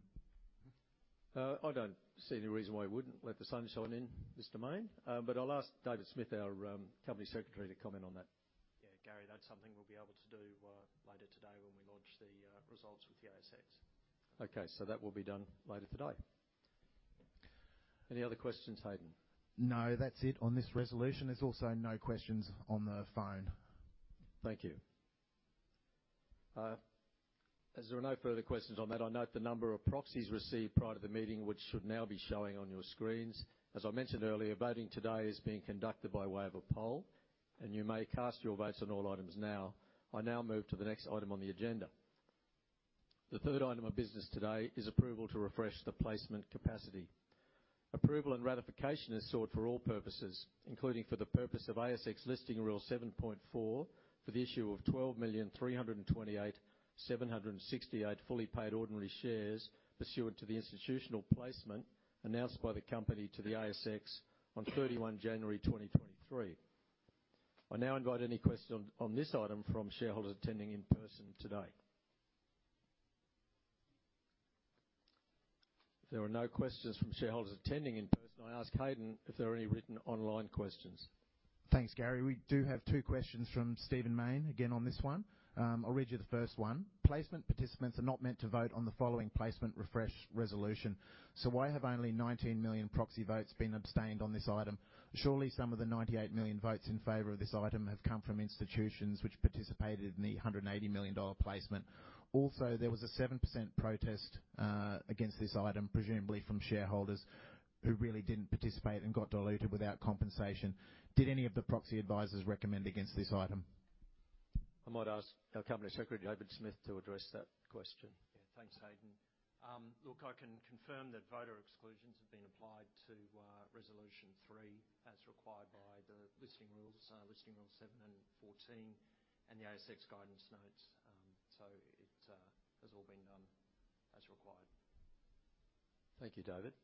I don't see any reason why you wouldn't let the sun shine in, Mr. Mayne. I'll ask David Smith, our Company Secretary, to comment on that. Yeah, Gary, that's something we'll be able to do later today when we launch the results with the ASX. Okay, so that will be done later today. Any other questions, Haydn? No, that's it on this resolution. There's also no questions on the phone. Thank you. As there are no further questions on that, I note the number of proxies received prior to the meeting, which should now be showing on your screens. As I mentioned earlier, voting today is being conducted by way of a poll, and you may cast your votes on all items now. I now move to the next item on the agenda. The third item of business today is approval to refresh the placement capacity. Approval and ratification is sought for all purposes, including for the purpose of ASX listing rule 7.4, for the issue of 12,328,768 fully paid ordinary shares, pursuant to the institutional placement announced by the company to the ASX on 31 January 2023. I now invite any questions on this item from shareholders attending in person today. If there are no questions from shareholders attending in person, I ask Haydn if there are any written online questions. Thanks, Gary. We do have two questions from Stephen Mayne, again, on this one. I'll read you the first one. "Placement participants are not meant to vote on the following placement refresh resolution, so why have only 19 million proxy votes been abstained on this item? Surely, some of the 98 million votes in favor of this item have come from institutions which participated in the 180 million dollar placement. Also, there was a 7% protest, against this item, presumably from shareholders who really didn't participate and got diluted without compensation. Did any of the proxy advisors recommend against this item? I might ask our Company Secretary, David Smith, to address that question. Yeah. Thanks, Haydn. Look, I can confirm that voter exclusions have been applied to Resolution 3, as required by the Listing Rules, Listing Rules 7 and 14, and the ASX Guidance Notes. So it has all been done as required. Thank you, David.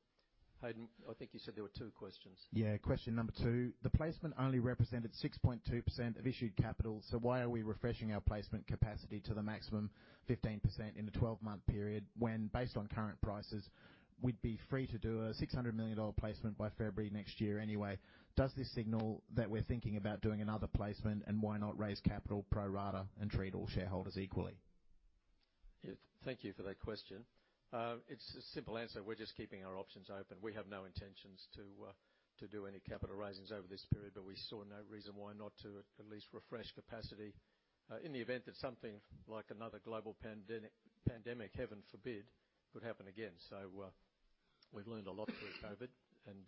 Haydn, I think you said there were two questions. Yeah, question number 2: "The placement only represented 6.2% of issued capital, so why are we refreshing our placement capacity to the maximum 15% in a 12-month period, when based on current prices, we'd be free to do a 600 million dollar placement by February next year anyway? Does this signal that we're thinking about doing another placement, and why not raise capital pro rata and treat all shareholders equally? Yeah, thank you for that question. It's a simple answer. We're just keeping our options open. We have no intentions to do any capital raisings over this period, but we saw no reason why not to at least refresh capacity in the event that something like another global pandemic, heaven forbid, would happen again. So, we've learned a lot through COVID, and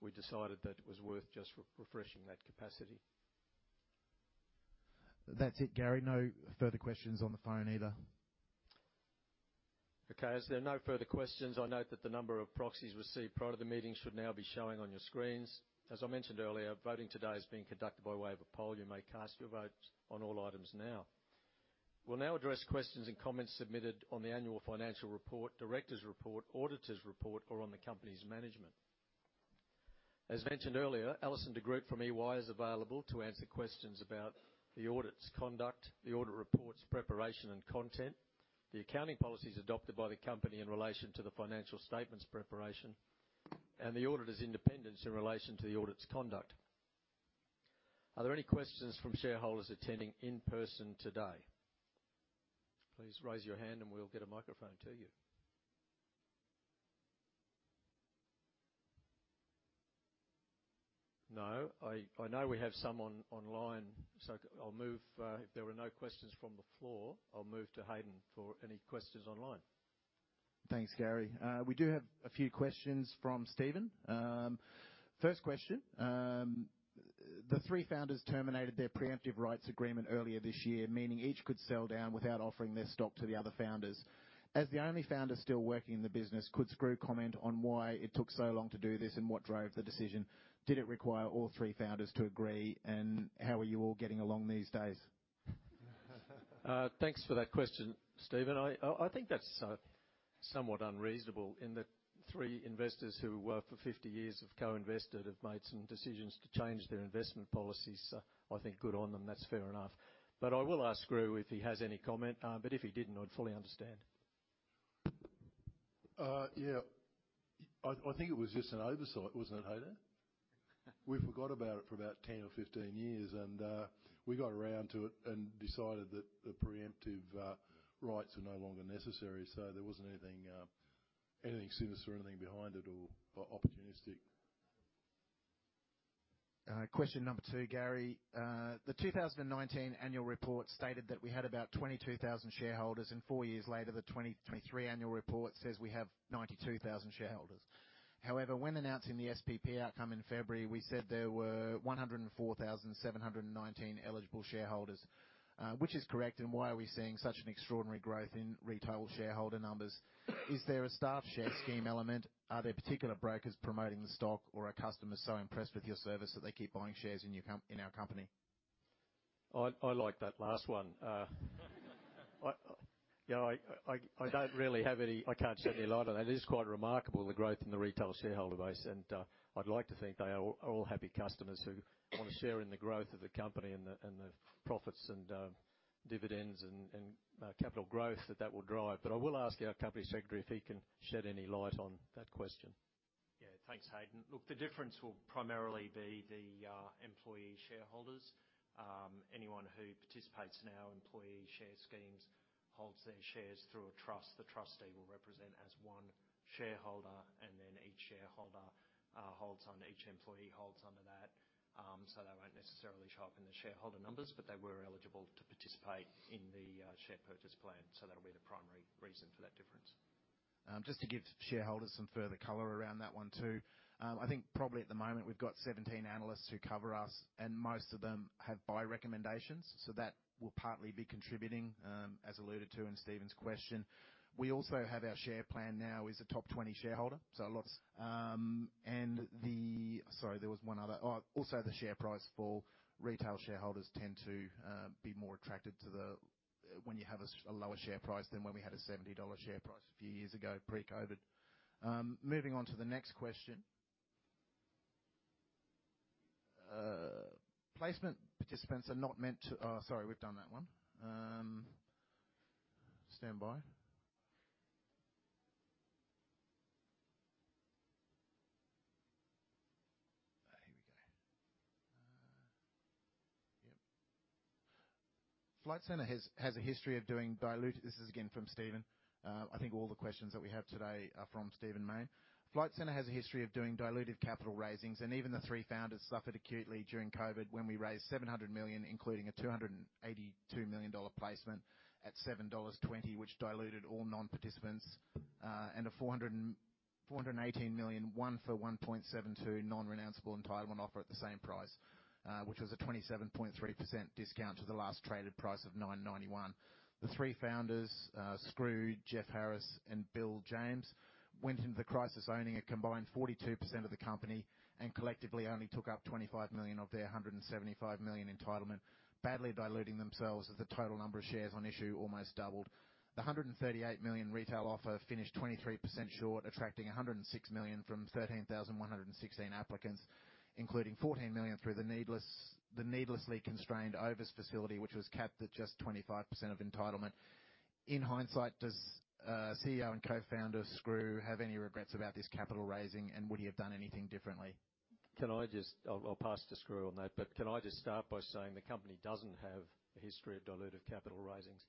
we decided that it was worth just refreshing that capacity. That's it, Gary, no further questions on the phone either. Okay, as there are no further questions, I note that the number of proxies received prior to the meeting should now be showing on your screens. As I mentioned earlier, voting today is being conducted by way of a poll. You may cast your vote on all items now. We'll now address questions and comments submitted on the annual financial report, directors' report, auditors' report, or on the company's management. As mentioned earlier, Alison de Groot from EY is available to answer questions about the audit's conduct, the audit report's preparation and content, the accounting policies adopted by the company in relation to the financial statements preparation, and the auditor's independence in relation to the audit's conduct. Are there any questions from shareholders attending in person today? Please raise your hand, and we'll get a microphone to you. No? I know we have some online, so I'll move. If there are no questions from the floor, I'll move to Haydn for any questions online.... Thanks, Gary. We do have a few questions from Stephen. First question: The three founders terminated their preemptive rights agreement earlier this year, meaning each could sell down without offering their stock to the other founders. As the only founder still working in the business, could Skroo comment on why it took so long to do this, and what drove the decision? Did it require all three founders to agree, and how are you all getting along these days? Thanks for that question, Stephen. I think that's somewhat unreasonable, in that three investors who for 50 years have co-invested have made some decisions to change their investment policies. I think, good on them. That's fair enough. But I will ask Skroo if he has any comment, but if he didn't, I'd fully understand. Yeah. I think it was just an oversight, wasn't it, Haydn? We forgot about it for about 10 or 15 years, and we got around to it and decided that the preemptive rights were no longer necessary. So there wasn't anything, anything sinister or anything behind it or opportunistic. Question number two, Gary. The 2019 annual report stated that we had about 22,000 shareholders, and four years later, the 2023 annual report says we have 92,000 shareholders. However, when announcing the SPP outcome in February, we said there were 104,719 eligible shareholders. Which is correct, and why are we seeing such an extraordinary growth in retail shareholder numbers? Is there a staff share scheme element? Are there particular brokers promoting the stock, or are customers so impressed with your service that they keep buying shares in our company? I like that last one. You know, I don't really have any... I can't shed any light on that. It is quite remarkable, the growth in the retail shareholder base, and I'd like to think they are all happy customers who want to share in the growth of the company and the profits and dividends and capital growth that that will drive. But I will ask our Company Secretary if he can shed any light on that question. Yeah. Thanks, Haydn. Look, the difference will primarily be the employee shareholders. Anyone who participates in our employee share schemes holds their shares through a trust. The trustee will represent as one shareholder, and then each employee holds onto that. So they won't necessarily show up in the shareholder numbers, but they were eligible to participate in the share purchase plan. So that'll be the primary reason for that difference. Just to give shareholders some further color around that one, too. I think probably at the moment, we've got 17 analysts who cover us, and most of them have buy recommendations, so that will partly be contributing, as alluded to in Stephen's question. We also have our share plan now as a top 20 shareholder, so lots... And the— Sorry, there was one other. Oh, also, the share price for retail shareholders tend to be more attracted to the when you have a lower share price than when we had a 70 dollar share price a few years ago, pre-COVID. Moving on to the next question. Placement participants are not meant to... Oh, sorry, we've done that one. Stand by. Here we go. Yep. Flight Centre has a history of doing dilutive capital raisings. This is again from Stephen Mayne. I think all the questions that we have today are from Stephen Mayne. Flight Centre has a history of doing dilutive capital raisings, and even the three founders suffered acutely during COVID when we raised 700 million, including a 282 million dollar placement at 7.20 dollars, which diluted all non-participants. And a 418 million one for 1.72 non-renounceable entitlement offer at the same price, which was a 27.3% discount to the last traded price of 9.91. The three founders, Skroo, Geoff Harris, and Bill James, went into the crisis owning a combined 42% of the company, and collectively only took up 25 million of their 175 million entitlement, badly diluting themselves as the total number of shares on issue almost doubled. The 138 million retail offer finished 23% short, attracting 106 million from 13,116 applicants, including 14 million through the needlessly constrained oversubscribing facility, which was capped at just 25% of entitlement. In hindsight, does CEO and co-founder, Skroo, have any regrets about this capital raising, and would he have done anything differently? Can I just... I'll pass to Skroo on that, but can I just start by saying the company doesn't have a history of dilutive capital raisings.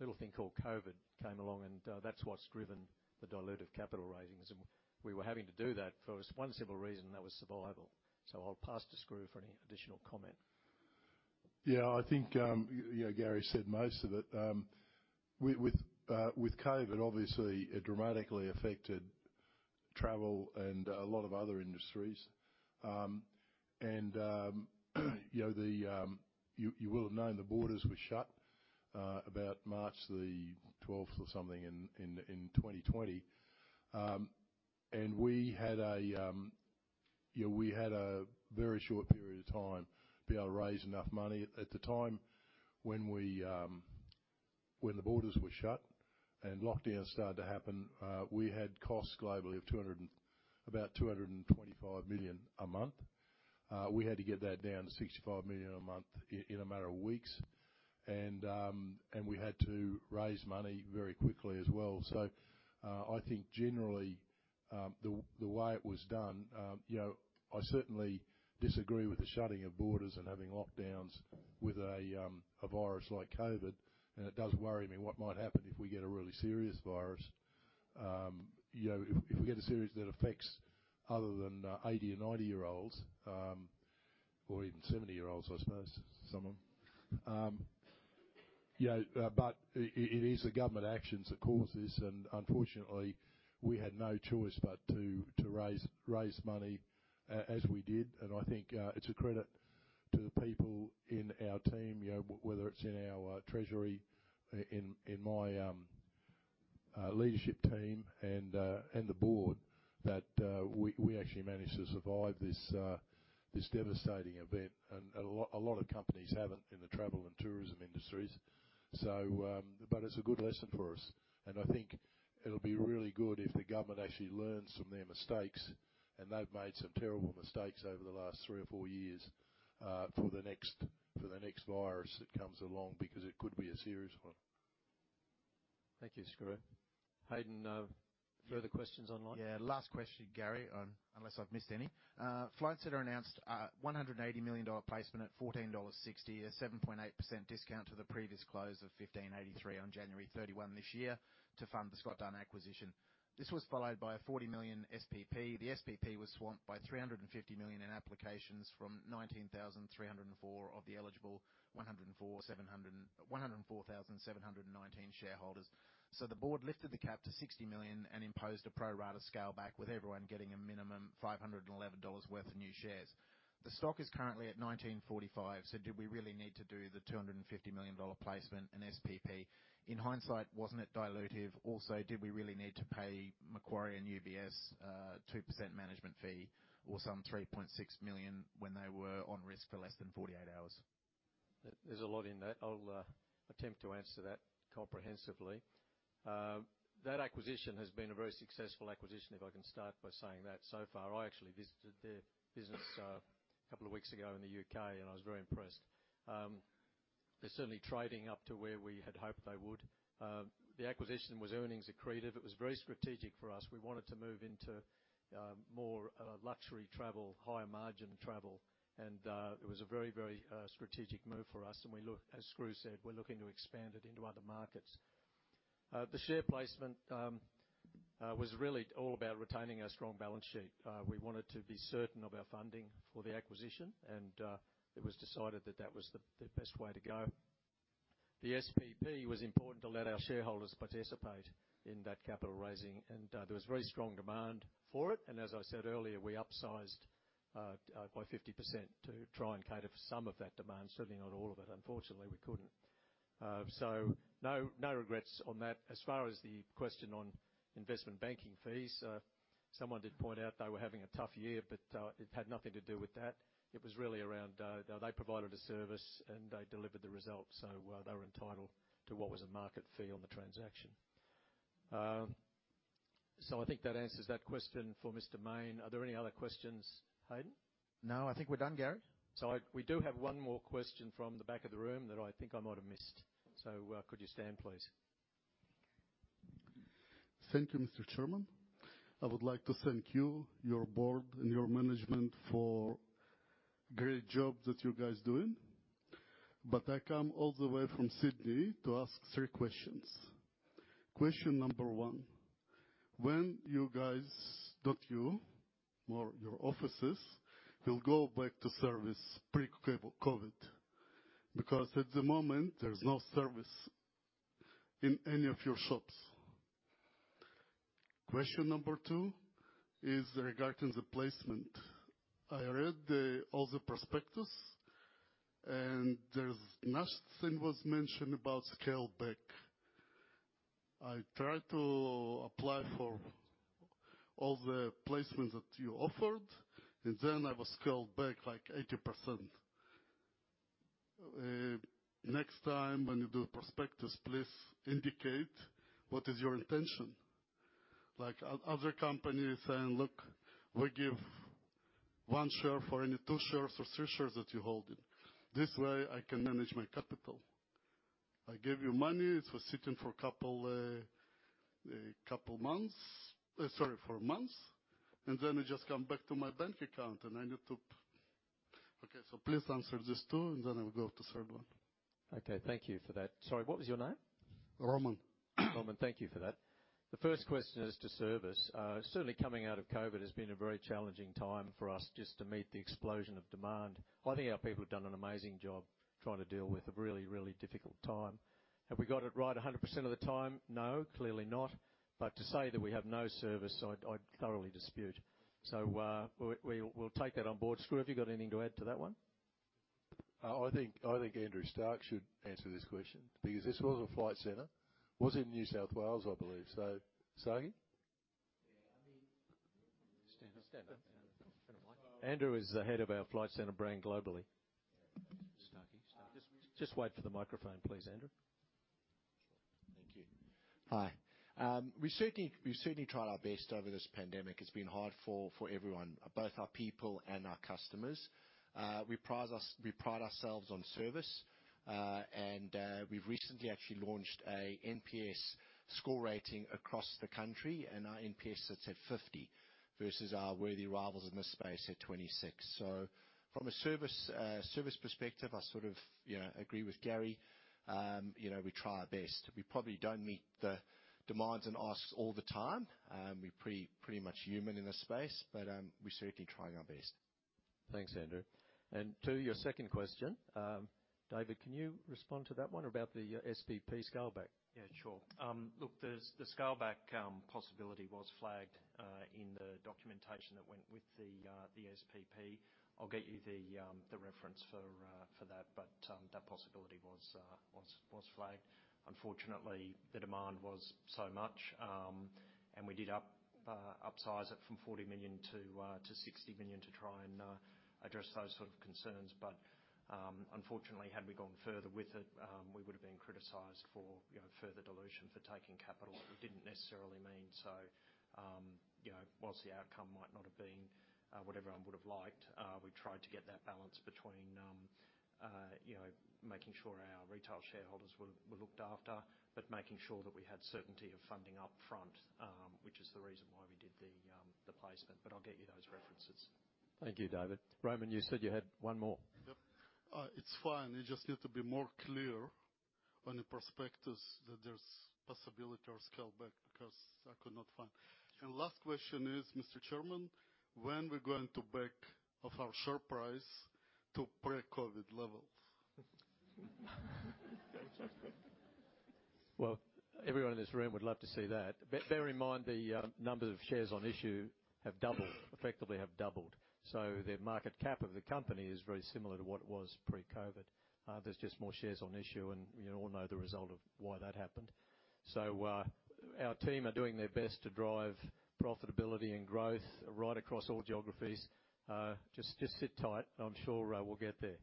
Little thing called COVID came along, and that's what's driven the dilutive capital raisings, and we were having to do that for one simple reason, and that was survival. So I'll pass to Skroo for any additional comment. Yeah, I think, you know, Gary said most of it. We, with, with COVID, obviously, it dramatically affected travel and a lot of other industries. And, you know, the, you, you will have known the borders were shut, about March 12 or something in, in, in 2020. And we had a, yeah, we had a very short period of time to be able to raise enough money. At the time, when we, when the borders were shut and lockdowns started to happen, we had costs globally of about 225 million a month. We had to get that down to 65 million a month in a matter of weeks. And, and we had to raise money very quickly as well. So, I think generally, the way it was done, you know, I certainly disagree with the shutting of borders and having lockdowns with a virus like COVID, and it does worry me what might happen if we get a really serious virus. You know, if we get a serious that affects other than 80- and 90-year-olds or even 70-year-olds, I suppose, some of them. Yeah, but it is the government actions that caused this, and unfortunately, we had no choice but to raise money as we did. And I think, it's a credit to the people in our team, you know, whether it's in our treasury, in my leadership team and the board, that we actually managed to survive this devastating event. A lot of companies haven't in the travel and tourism industries. But it's a good lesson for us, and I think it'll be really good if the government actually learns from their mistakes, and they've made some terrible mistakes over the last three or four years, for the next virus that comes along, because it could be a serious one. Thank you, Skroo. Haydn, further questions online? Yeah, last question, Gary, on—unless I've missed any. Flight Centre announced a 180 million dollar placement at 14.60 dollars, a 7.8% discount to the previous close of 15.83 on January 31 this year to fund the Scott Dunn acquisition. This was followed by a 40 million SPP. The SPP was swamped by 350 million in applications from 19,304 of the eligible 104,719 shareholders. So the board lifted the cap to 60 million and imposed a pro rata scale back, with everyone getting a minimum 511 dollars worth of new shares. The stock is currently at 19.45, so did we really need to do the 250 million dollar placement and SPP? In hindsight, wasn't it dilutive? Also, did we really need to pay Macquarie and UBS, 2% management fee or some 3.6 million when they were on risk for less than 48 hours? There, there's a lot in that. I'll attempt to answer that comprehensively. That acquisition has been a very successful acquisition, if I can start by saying that, so far. I actually visited their business a couple of weeks ago in the UK, and I was very impressed. They're certainly trading up to where we had hoped they would. The acquisition was earnings accretive. It was very strategic for us. We wanted to move into more luxury travel, higher margin travel, and it was a very, very strategic move for us, and we look. As Skroo said, we're looking to expand it into other markets. The share placement was really all about retaining our strong balance sheet. We wanted to be certain of our funding for the acquisition, and it was decided that that was the best way to go. The SPP was important to let our shareholders participate in that capital raising, and there was very strong demand for it. As I said earlier, we upsized by 50% to try and cater for some of that demand. Certainly not all of it. Unfortunately, we couldn't. So no, no regrets on that. As far as the question on investment banking fees, someone did point out they were having a tough year, but it had nothing to do with that. It was really around... They provided a service, and they delivered the results, so they were entitled to what was a market fee on the transaction. I think that answers that question for Mr. Mayne. Are there any other questions, Haydn? No, I think we're done, Gary. So, we do have one more question from the back of the room that I think I might have missed. So, could you stand, please? Thank you, Mr. Chairman. I would like to thank you, your board, and your management for great job that you guys doing. But I come all the way from Sydney to ask three questions. Question number one: when you guys, not you, or your offices, will go back to service pre-COVID? Because at the moment, there's no service in any of your shops. Question number two is regarding the placement. I read the, all the prospectus, and there's nothing was mentioned about scale back. I tried to apply for all the placements that you offered, and then I was scaled back, like, 80%. Next time, when you do prospectus, please indicate what is your intention. Like other companies saying, "Look, we give one share for any two shares or three shares that you're holding." This way, I can manage my capital. I gave you money. It was sitting for a couple couple months, sorry, for months, and then it just come back to my bank account, and I need to... Okay, so please answer these two, and then I will go to third one. Okay, thank you for that. Sorry, what was your name? Roman. Roman, thank you for that. The first question is to service. Certainly coming out of COVID has been a very challenging time for us, just to meet the explosion of demand. I think our people have done an amazing job trying to deal with a really, really difficult time. Have we got it right a hundred percent of the time? No, clearly not. But to say that we have no service, I'd thoroughly dispute. So, we'll take that on board. Skroo, have you got anything to add to that one? I think, I think Andrew Stark should answer this question, because this was a Flight Centre, was in New South Wales, I believe. So, Starky? Stand up, stand up. Andrew is the head of our Flight Centre brand globally. Stark, just, just wait for the microphone, please, Andrew. Thank you. Hi. We certainly, we've certainly tried our best over this pandemic. It's been hard for everyone, both our people and our customers. We pride ourselves on service. And we've recently actually launched an NPS score rating across the country, and our NPS sits at 50, versus our worthy rivals in this space at 26. So from a service perspective, I sort of, you know, agree with Gary. You know, we try our best. We probably don't meet the demands and asks all the time. We're pretty much human in this space, but we're certainly trying our best. Thanks, Andrew. To your second question, David, can you respond to that one about the SPP scaleback? Yeah, sure. Look, there's the scaleback possibility was flagged in the documentation that went with the SPP. I'll get you the reference for that, but that possibility was flagged. Unfortunately, the demand was so much, and we did upsize it from 40 million to 60 million to try and address those sort of concerns. But unfortunately, had we gone further with it, we would've been criticized for, you know, further dilution for taking capital that we didn't necessarily need. So, you know, whilst the outcome might not have been what everyone would've liked, we tried to get that balance between, you know, making sure our retail shareholders were looked after, but making sure that we had certainty of funding up front, which is the reason why we did the placement. But I'll get you those references. Thank you, David. Roman, you said you had one more? Yep. It's fine. You just need to be more clear on the prospectus that there's possibility of scaleback, because I could not find. And last question is, Mr. Chairman, when we're going to back of our share price to pre-COVID levels? Well, everyone in this room would love to see that. Bear in mind, the number of shares on issue have doubled, effectively have doubled, so the market cap of the company is very similar to what it was pre-COVID. There's just more shares on issue, and we all know the result of why that happened. So, our team are doing their best to drive profitability and growth right across all geographies. Just sit tight, and I'm sure we'll get there.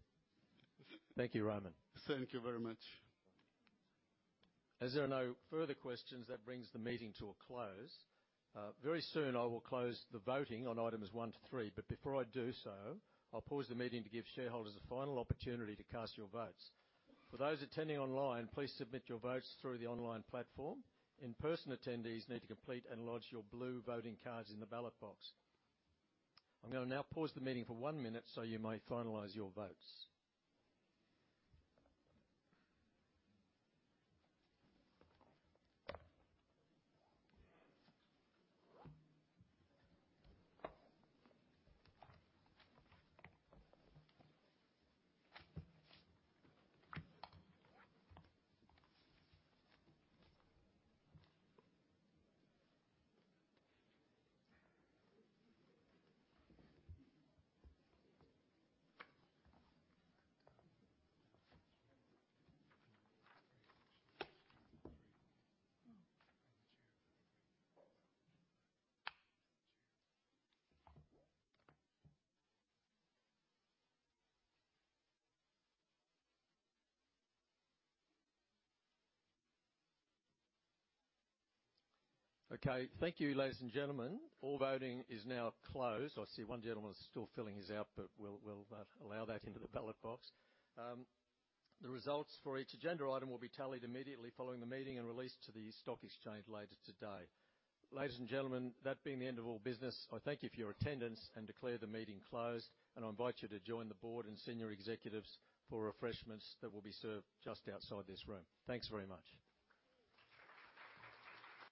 Thank you, Roman. Thank you very much. As there are no further questions, that brings the meeting to a close. Very soon, I will close the voting on Items 1 to 3, but before I do so, I'll pause the meeting to give shareholders a final opportunity to cast your votes. For those attending online, please submit your votes through the online platform. In-person attendees need to complete and lodge your blue voting cards in the ballot box. I'm gonna now pause the meeting for 1 minute, so you may finalize your votes. Okay, thank you, ladies and gentlemen. All voting is now closed. I see 1 gentleman is still filling his out, but we'll, we'll, allow that into the ballot box. The results for each agenda item will be tallied immediately following the meeting and released to the stock exchange later today. Ladies and gentlemen, that being the end of all business, I thank you for your attendance and declare the meeting closed, and I invite you to join the board and senior executives for refreshments that will be served just outside this room. Thanks very much.